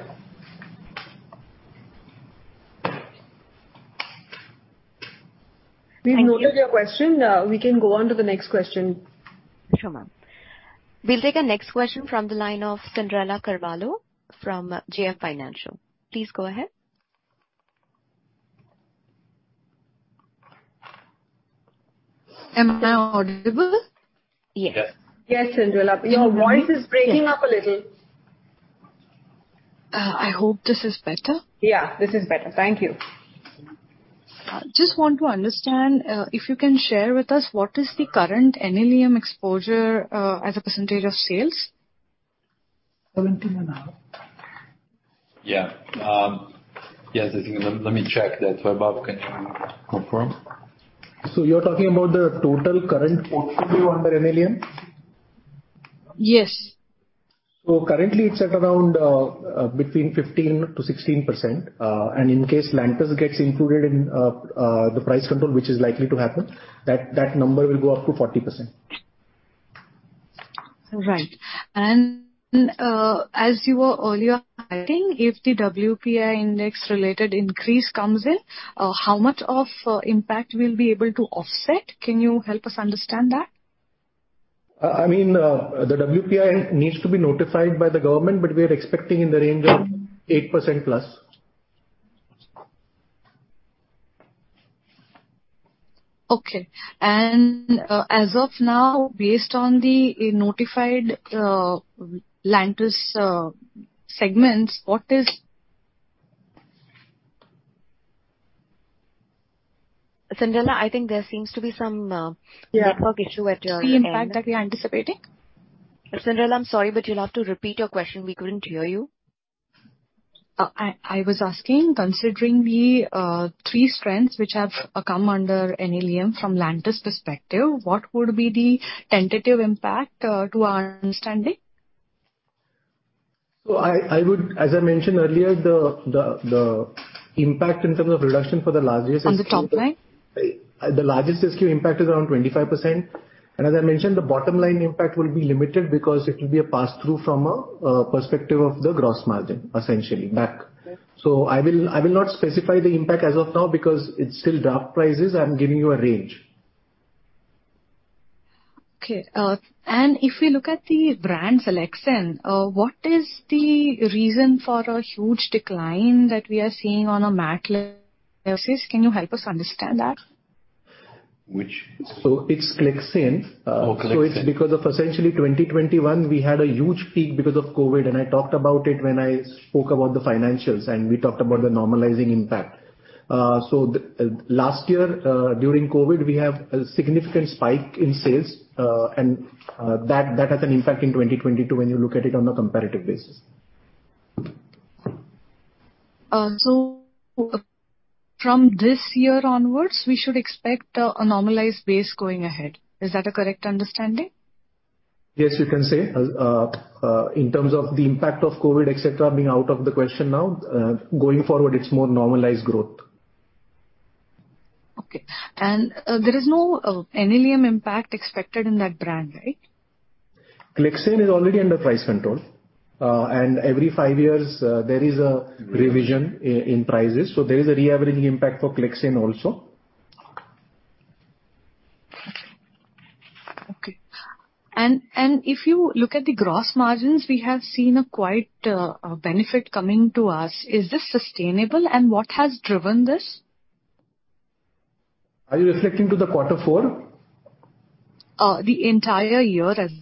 We've noted your question. We can go on to the next question. Sure, ma'am. We'll take our next question from the line of Cyndrella Carvalho from JM Financial. Please go ahead. Am I audible? Yes. Yes. Yes, Cyndrella. Your voice is breaking up a little. I hope this is better. Yeah, this is better. Thank you. Just want to understand, if you can share with us what is the current NLEM exposure, as a percentage of sales? Yeah. Yes. I think let me check that. Vaibhav can confirm. You're talking about the total current portfolio under NLEM? Yes. Currently it's at around between 15%-16%. In case Lantus gets included in the price control, which is likely to happen, that number will go up to 40%. All right. As you were earlier adding, if the WPI index-related increase comes in, how much of impact we'll be able to offset? Can you help us understand that? I mean, the WPI needs to be notified by the government, but we are expecting in the range of 8%+. Okay. As of now, based on the notified, Lantus, segments, what is... Cyndrella, I think there seems to be some. Yeah. Network issue at your end. The impact that we are anticipating. Cyndrella, I'm sorry, but you'll have to repeat your question. We couldn't hear you. I was asking, considering the three strengths which have come under NLEM from Lantus perspective, what would be the tentative impact to our understanding? I would. As I mentioned earlier, the impact in terms of reduction for the largest SKU-. On the top line. The largest SKU impact is around 25%. As I mentioned, the bottom line impact will be limited because it will be a pass-through from a perspective of the gross margin, essentially back. I will not specify the impact as of now because it's still draft prices. I'm giving you a range. Okay. If we look at the brand selection, what is the reason for a huge decline that we are seeing on a vaccines? Can you help us understand that? Which... It's Clexane. Oh, Clexane. It's because of essentially 2021, we had a huge peak because of COVID, and I talked about it when I spoke about the financials, and we talked about the normalizing impact. The last year, during COVID, we have a significant spike in sales, and that has an impact in 2022 when you look at it on a comparative basis. From this year onwards, we should expect a normalized base going ahead. Is that a correct understanding? You can say. In terms of the impact of COVID, et cetera, being out of the question now, going forward, it's more normalized growth. Okay. There is no NLEM impact expected in that brand, right? Clexane is already under price control. Every five years, there is a revision in prices. There is a re-averaging impact for Clexane also. Okay. If you look at the gross margins, we have seen a quite benefit coming to us. Is this sustainable? What has driven this? Are you referring to the quarter four? The entire year as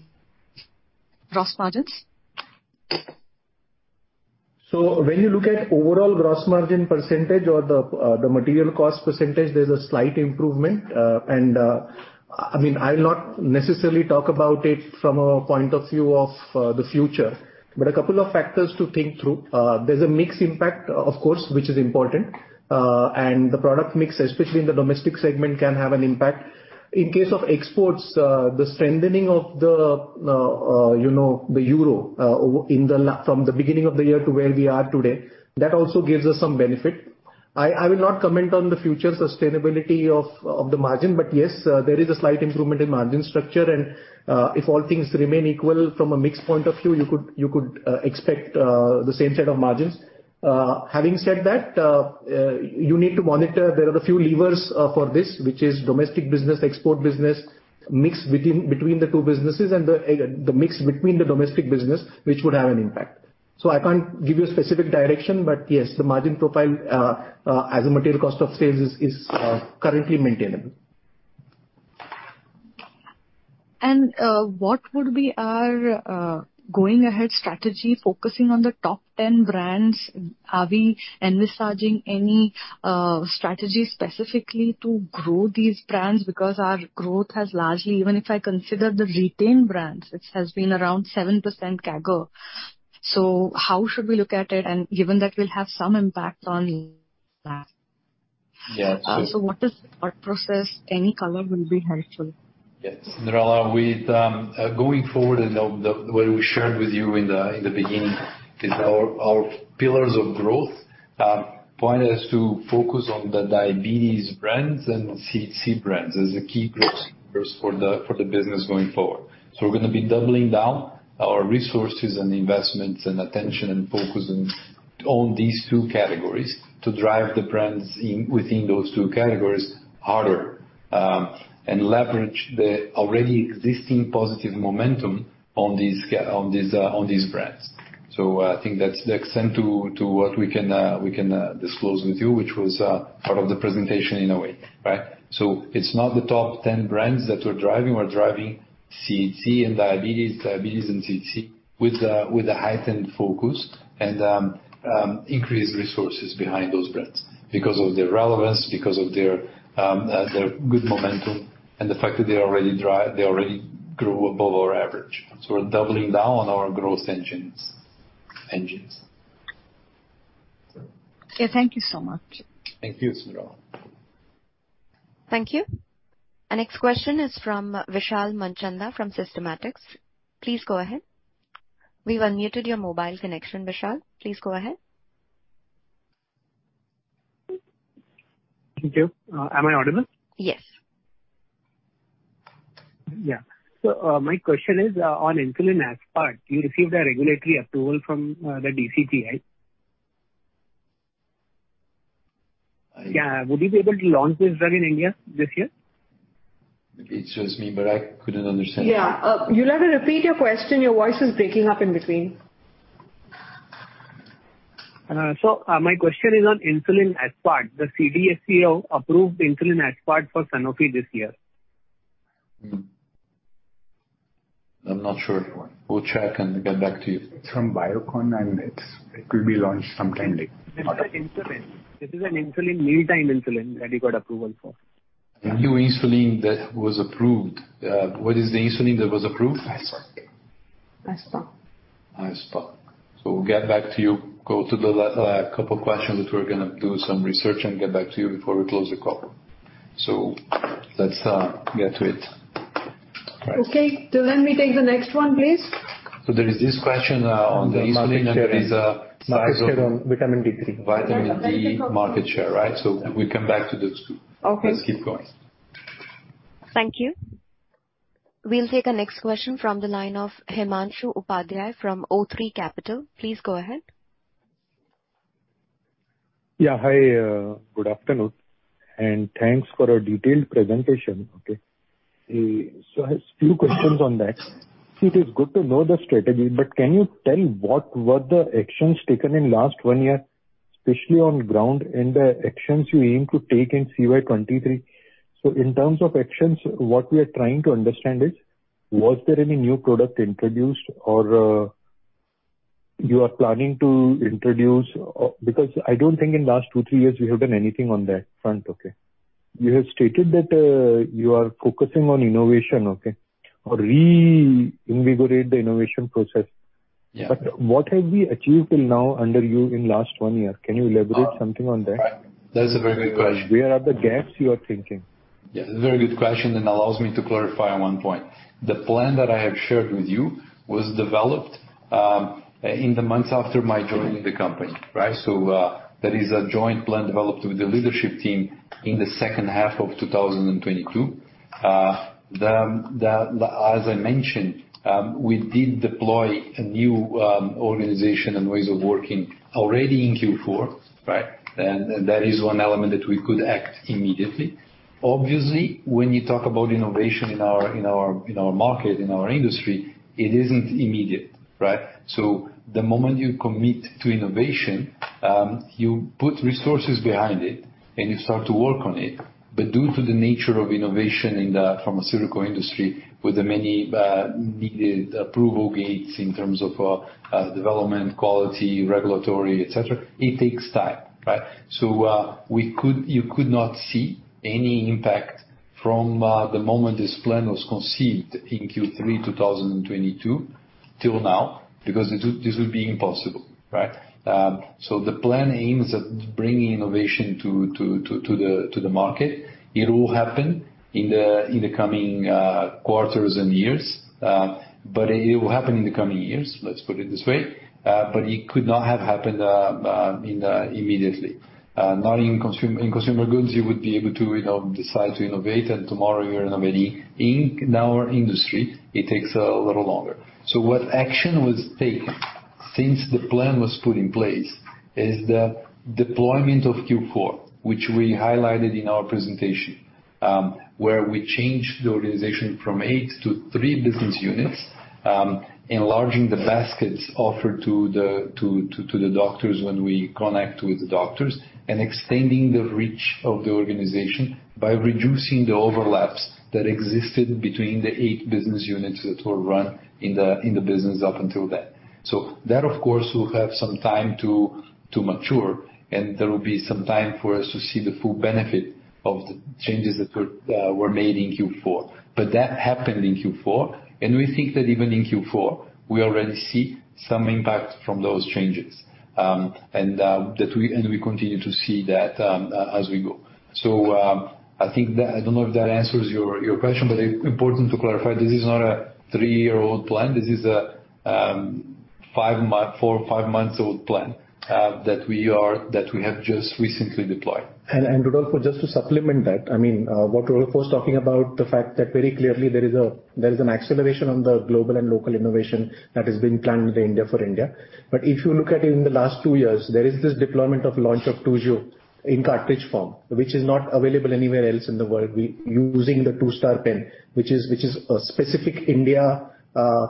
gross margins. When you look at overall gross margin percentage or the material cost percentage, there's a slight improvement. I mean, I'll not necessarily talk about it from a point of view of the future, but a couple of factors to think through. There's a mix impact, of course, which is important. The product mix, especially in the domestic segment, can have an impact. In case of exports, the strengthening of the, you know, the Euro, From the beginning of the year to where we are today, that also gives us some benefit. I will not comment on the future sustainability of the margin, but yes, there is a slight improvement in margin structure, and if all things remain equal from a mix point of view, you could expect the same set of margins. Having said that, you need to monitor. There are a few levers for this, which is domestic business, export business, mix between the two businesses and the mix between the domestic business, which would have an impact. I can't give you a specific direction, but yes, the margin profile as a material cost of sales is currently maintainable. What would be our going ahead strategy, focusing on the top 10 brands? Are we envisaging any strategy specifically to grow these brands? Because our growth has largely, even if I consider the retained brands, which has been around 7% CAGR. How should we look at it? Given that we'll have some impact on that. Yeah. What is our process? Any color will be helpful. Yes. Cyndrella, with going forward and the way we shared with you in the beginning is our pillars of growth point is to focus on the diabetes brands and CT brands as the key growth first for the business going forward. We're gonna be doubling down our resources and investments and attention and focus on these two categories to drive the brands in, within those two categories harder, and leverage the already existing positive momentum on these brands. I think that's the extent to what we can disclose with you which was part of the presentation in a way, right? It's not the top ten brands that we're driving. We're driving CT and diabetes and CT with a, with a heightened focus and increased resources behind those brands because of their relevance, because of their good momentum and the fact that they already grew above our average. We're doubling down on our growth engines. Yeah. Thank you so much. Thank you, Cyndrella. Thank you. Our next question is from Vishal Manchanda from Systematix. Please go ahead. We've unmuted your mobile connection, Vishal. Please go ahead. Thank you. Am I audible? Yes. Yeah. my question is on Insulin Aspart, you received a regulatory approval from the DCGI. I- Yeah. Would you be able to launch this drug in India this year? It's just me, but I couldn't understand. Yeah. You'll have to repeat your question. Your voice is breaking up in between. My question is on Insulin Aspart. The CDSCO approved Insulin Aspart for Sanofi this year. I'm not sure. We'll check and get back to you. It's from Biocon, and it will be launched sometime late. This is an insulin, mealtime insulin that you got approval for. A new insulin that was approved. What is the insulin that was approved? Aspart. Aspart. We'll get back to you. Go to the couple questions. We're gonna do some research and get back to you before we close the call. Let's get to it. Okay. Let me take the next one, please. There is this question, on the insulin. Market share on Vitamin D3. Vitamin D market share, right? We come back to those two. Okay. Let's keep going. Thank you. We'll take our next question from the line of Himanshu Upadhyay from o3 Capital. Please go ahead. Yeah. Hi. good afternoon, and thanks for a detailed presentation. I have few questions on that. It is good to know the strategy, but can you tell what the actions taken in last one year, especially on ground and the actions you aim to take in CY 2023? In terms of actions, what we are trying to understand is, was there any new product introduced or you are planning to introduce? Because I don't think in last two, three years we have done anything on that front. You have stated that you are focusing on innovation or reinvigorate the innovation process. Yeah. What have we achieved till now under you in last one year? Can you elaborate something on that? That is a very good question. Where are the gaps you are thinking? Very good question, allows me to clarify one point. The plan that I have shared with you was developed in the months after my joining the company, right? That is a joint plan developed with the leadership team in the second half of 2022. As I mentioned, we did deploy a new organization and ways of working already in Q4, right? That is one element that we could act immediately. Obviously, when you talk about innovation in our market, in our industry, it isn't immediate, right? The moment you commit to innovation, you put resources behind it and you start to work on it. Due to the nature of innovation in the pharmaceutical industry, with the many needed approval gates in terms of development, quality, regulatory, etcetera, it takes time, right? You could not see any impact from the moment this plan was conceived in Q3 2022 till now, because it would, this would be impossible, right? The plan aims at bringing innovation to the market. It will happen in the coming quarters and years, but it will happen in the coming years, let's put it this way. It could not have happened in the immediately. In consumer goods, you would be able to, you know, decide to innovate and tomorrow you're innovating. In our industry, it takes a little longer. What action was taken since the plan was put in place is the deployment of Q4, which we highlighted in our presentation, where we changed the organization from 8-3 business units, enlarging the baskets offered to the doctors when we connect with the doctors, and extending the reach of the organization by reducing the overlaps that existed between the eight business units that were run in the business up until then. That of course will have some time to mature and there will be some time for us to see the full benefit of the changes that were made in Q4. That happened in Q4, and we think that even in Q4 we already see some impact from those changes. We continue to see that as we go. I don't know if that answers your question, but it important to clarify, this is not a three-year-old plan. This is a four or five months old plan that we have just recently deployed. Rodolfo, just to supplement that, I mean, what Rodolfo's talking about, the fact that very clearly there is an acceleration on the global and local innovation that has been planned with India for India. If you look at it in the last two years, there is this deployment of launch of Toujeo in cartridge form, which is not available anywhere else in the world. using the TouStar pen, which is a specific India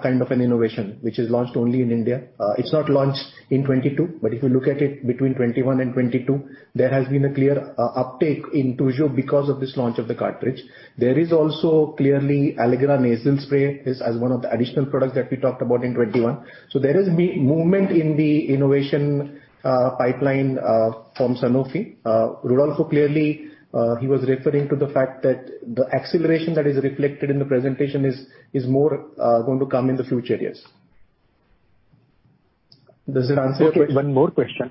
kind of an innovation, which is launched only in India. It's not launched in 2022, but if you look at it between 2021 and 2022, there has been a clear uptake in Toujeo because of this launch of the cartridge. There is also clearly Allegra Nasal Spray as one of the additional products that we talked about in 2021. There has movement in the innovation pipeline from Sanofi. Rodolfo clearly he was referring to the fact that the acceleration that is reflected in the presentation is more going to come in the future years. Does that answer your question? Okay, one more question.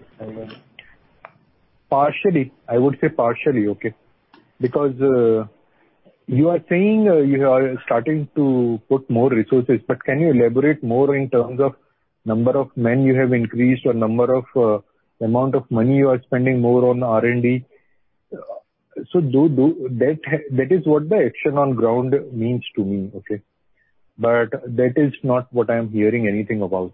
Partially. I would say partially, okay? You are saying you are starting to put more resources, can you elaborate more in terms of number of men you have increased or number of amount of money you are spending more on R&D? That is what the action on ground means to me, okay? That is not what I am hearing anything about.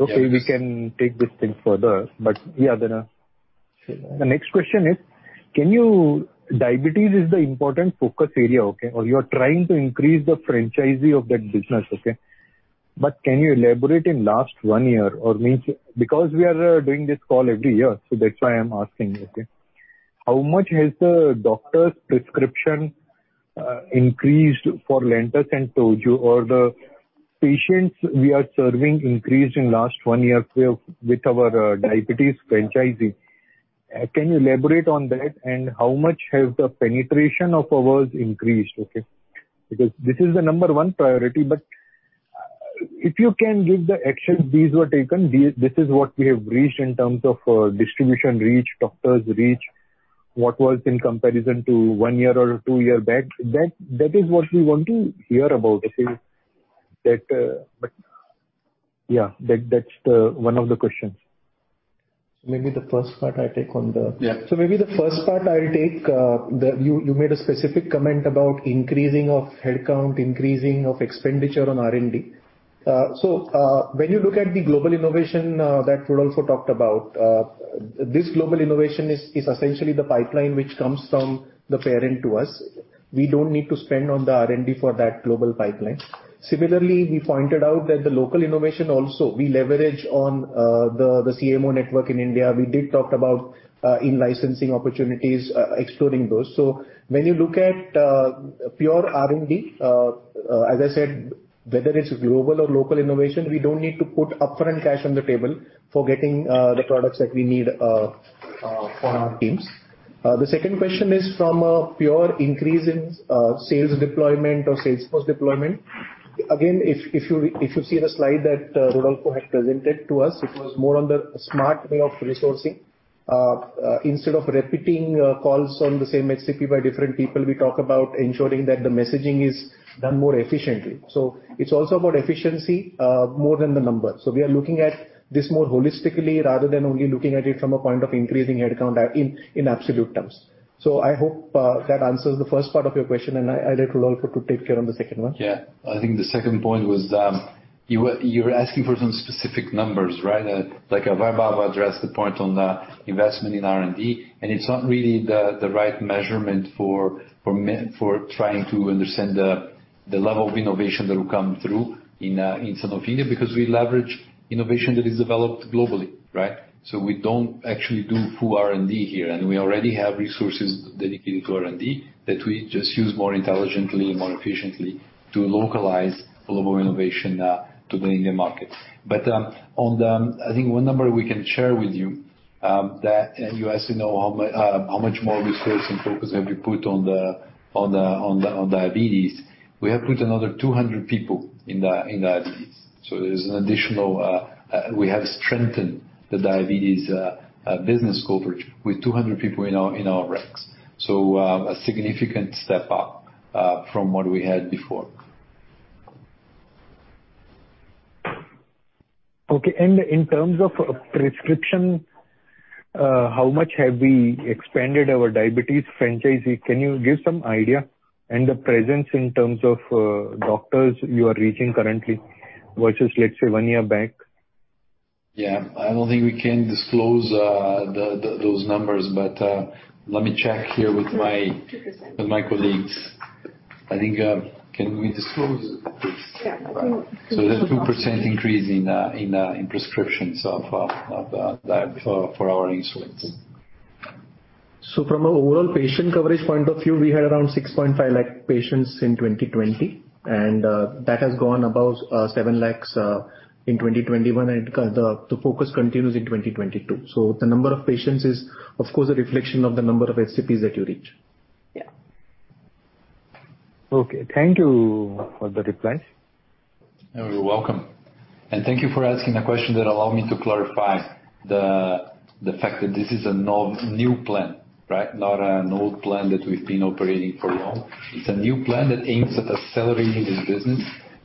Okay. Yes. We can take this thing further. The next question is, Diabetes is the important focus area, okay? You're trying to increase the franchisee of that business, okay? Can you elaborate in last one year? Because we are doing this call every year, that's why I'm asking, okay? How much has the doctor's prescription increased for Lantus and Toujeo or the patients we are serving increased in last one year with our diabetes franchising? Can you elaborate on that? How much has the penetration of ours increased, okay? This is the number one priority, but if you can give the actions these were taken, this is what we have reached in terms of distribution reach, doctors reach, what was in comparison to one year or two year back, that is what we want to hear about. Okay. That. Yeah, that's the one of the questions. Maybe the first part I take on. Yeah. Maybe the first part I'll take. You made a specific comment about increasing of headcount, increasing of expenditure on R&D. When you look at the global innovation that Rodolfo talked about, this global innovation is essentially the pipeline which comes from the parent to us. We don't need to spend on the R&D for that global pipeline. Similarly, he pointed out that the local innovation also we leverage on the CMO network in India. We did talk about in-licensing opportunities, exploring those. When you look at pure R&D, as I said, whether it's global or local innovation, we don't need to put upfront cash on the table for getting the products that we need for our teams. The second question is from a pure increase in sales deployment or sales force deployment. Again, if you see the slide that Rodolfo had presented to us, it was more on the smart way of resourcing. Instead of repeating calls on the same HCP by different people, we talk about ensuring that the messaging is done more efficiently. It's also about efficiency, more than the numbers. We are looking at this more holistically rather than only looking at it from a point of increasing headcount in absolute terms. I hope that answers the first part of your question, and I let Rodolfo to take care on the second one. Yeah. I think the second point was, you were asking for some specific numbers, right? Like Vaibhav addressed the point on the investment in R&D, it's not really the right measurement for trying to understand the level of innovation that will come through in Sanofi India because we leverage innovation that is developed globally, right? We don't actually do full R&D here, we already have resources dedicated to R&D that we just use more intelligently and more efficiently to localize global innovation to the Indian market. On the... I think one number we can share with you that you ask to know how much more resource and focus have we put on diabetes. We have put another 200 people in diabetes. We have strengthened the diabetes business coverage with 200 people in our ranks. A significant step up from what we had before. Okay. In terms of prescription, how much have we expanded our diabetes franchise? Can you give some idea and the presence in terms of doctors you are reaching currently versus, let's say, one year back? Yeah. I don't think we can disclose, those numbers, but, let me check here with my- 2%. With my colleagues. I think, Can we disclose this? Yeah. There's 2% increase in prescriptions of for our insulins. From a overall patient coverage point of view, we had around 6.5 lakh patients in 2020, and that has gone above seven lakhs in 2021, and the focus continues in 2022. The number of patients is of course, a reflection of the number of HCPs that you reach. Yeah. Okay, thank you for the replies. You're welcome. Thank you for asking a question that allow me to clarify the fact that this is a new plan, right? Not an old plan that we've been operating for long. It's a new plan that aims at accelerating this business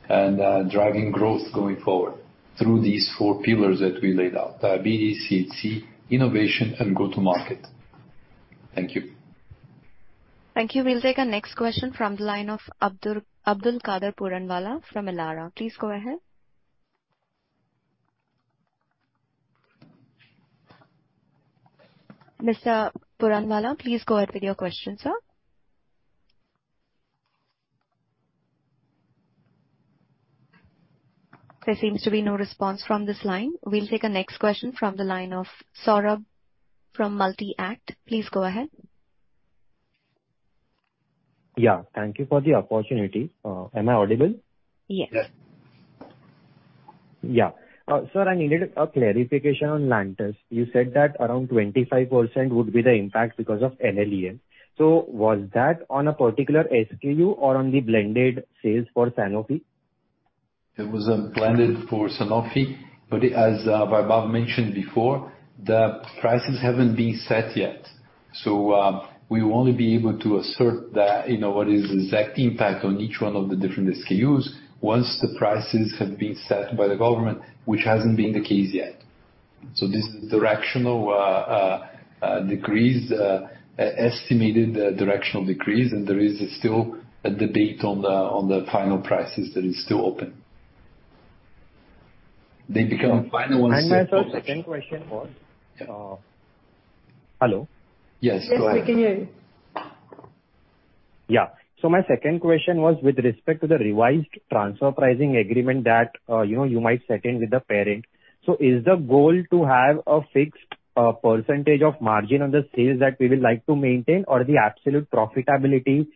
and driving growth going forward through these four pillars that we laid out, diabetes, CHC, innovation, and go-to-market. Thank you. Thank you. We'll take our next question from the line ofAbdulkader Puranwala from Elara. Please go ahead. Mr. Puranwala, please go ahead with your question, sir. There seems to be no response from this line. We'll take our next question from the line of Saurabh from Multi-Act. Please go ahead. Yeah. Thank you for the opportunity. Am I audible? Yes. Yes. Yeah. sir, I needed a clarification on Lantus. You said that around 25% would be the impact because of NLEM. Was that on a particular SKU or on the blended sales for Sanofi? It was blended for Sanofi, but as Vaibhav mentioned before, the prices haven't been set yet. We will only be able to assert the, you know, what is the exact impact on each one of the different SKUs once the prices have been set by the government, which hasn't been the case yet. This is directional decrease, estimated directional decrease, and there is still a debate on the final prices that is still open. They become final once- sir, second question was. Hello? Yes, go ahead. Yes, we can hear you. My second question was with respect to the revised transfer pricing agreement that, you know, you might second with the parent. Is the goal to have a fixed percentage of margin on the sales that we would like to maintain or the absolute profitability,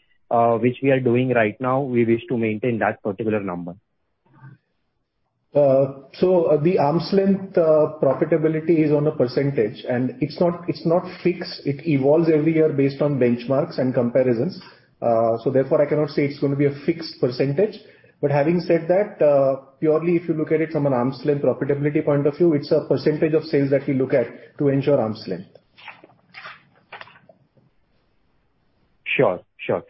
which we are doing right now, we wish to maintain that particular number? The arm's length profitability is on a percentage, and it's not fixed. It evolves every year based on benchmarks and comparisons. Therefore I cannot say it's gonna be a fixed percentage. Having said that, purely if you look at it from an arm's length profitability point of view, it's a percentage of sales that we look at to ensure arm's length. Sure, sure.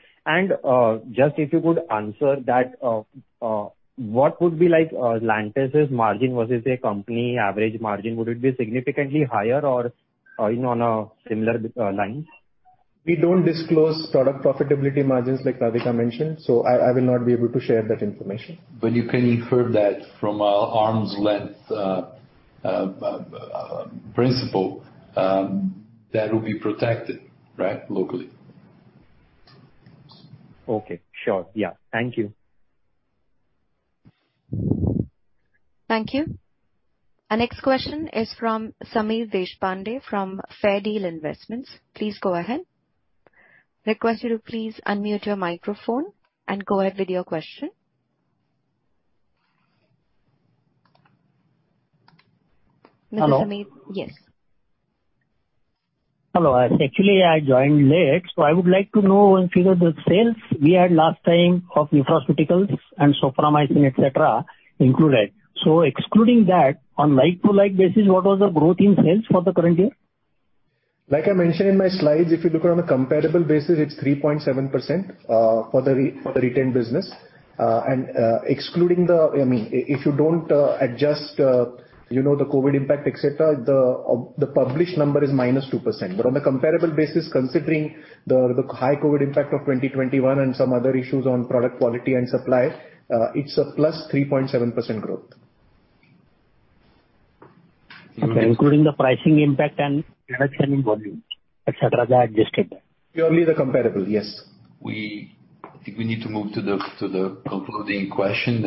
Just if you could answer that, what would be like, Lantus' margin versus a company average margin? Would it be significantly higher or, you know, on a similar line? We don't disclose product profitability margins like Radhika mentioned, I will not be able to share that information. You can infer that from an arm's length principle, that will be protected, right? Locally. Okay. Sure. Yeah. Thank you. Thank you. Our next question is from Sameer Deshpande from Fairdeal Investments. Please go ahead. Request you to please unmute your microphone and go ahead with your question. Mr. Sameer. Hello? Yes. Hello. Actually, I joined late, so I would like to know if, you know, the sales we had last time of nutraceuticals and Soframycin, et cetera, included. Excluding that, on like-to-like basis, what was the growth in sales for the current year? Like I mentioned in my slides, if you look at on a comparable basis, it's 3.7% for the retained business. Excluding if you don't adjust, you know, the COVID impact, et cetera, the published number is -2%. On a comparable basis, considering the high COVID impact of 2021 and some other issues on product quality and supply, it's a +3.7% growth. Including the pricing impact and reduction in volume, et cetera, they are adjusted. Purely the comparable, yes. I think we need to move to the, to the concluding question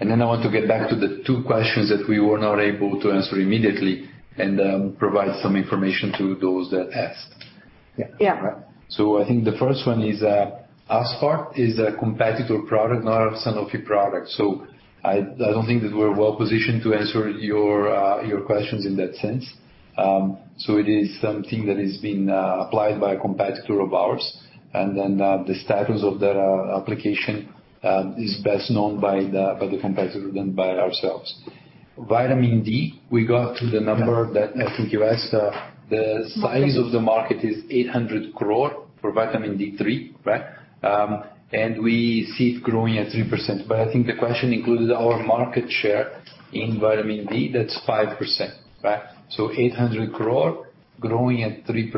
and then I want to get back to the two questions that we were not able to answer immediately and provide some information to those that asked. Yeah. Yeah. I think the first one is, Aspart is a competitor product, not a Sanofi product. I don't think that we're well positioned to answer your questions in that sense. It is something that is being applied by a competitor of ours. The status of their application is best known by the competitor than by ourselves. Vitamin D, we got the number that I think you asked. The size of the market is 800 crore for Vitamin D3, right? We see it growing at 3%. I think the question included our market share in Vitamin D. That's 5%, right? 800 crore growing at 3%,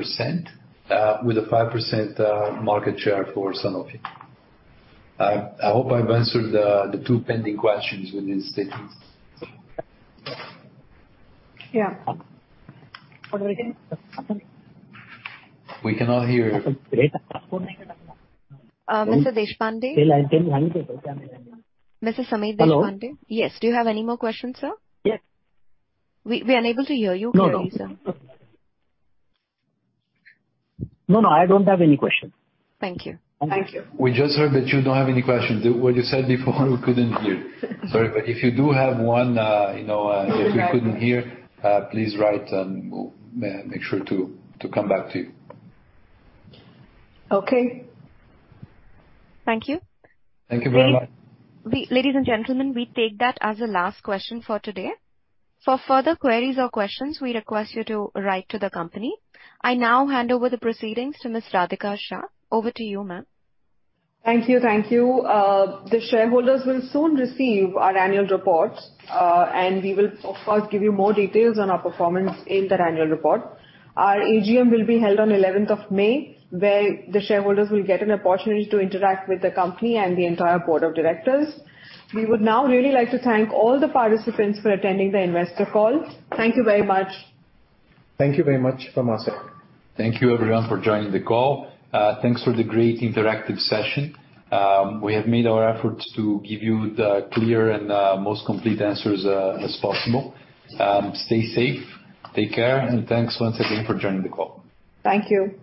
with a 5% market share for Sanofi. I hope I've answered the two pending questions with these statements. Yeah. We cannot hear you. Mr. Deshpande. Mr. Sameer Deshpande. Hello. Yes. Do you have any more questions, sir? Yes. We are unable to hear you very clear, sir. No, no. No, no, I don't have any questions. Thank you. Thank you. We just heard that you don't have any questions. What you said before, we couldn't hear. Sorry. If you do have one, you know, if we couldn't hear, please write and we'll make sure to come back to you. Okay. Thank you. Thank you very much. Ladies and gentlemen, we take that as the last question for today. For further queries or questions, we request you to write to the company. I now hand over the proceedings to Ms. Radhika Shah. Over to you, ma'am. Thank you. Thank you. The shareholders will soon receive our annual reports, and we will of course give you more details on our performance in that annual report. Our AGM will be held on 11th of May, where the shareholders will get an opportunity to interact with the company and the entire board of directors. We would now really like to thank all the participants for attending the investor call. Thank you very much. Thank you very much from our side. Thank you everyone for joining the call. Thanks for the great interactive session. We have made our efforts to give you the clear and most complete answers as possible. Stay safe, take care, and thanks once again for joining the call. Thank you.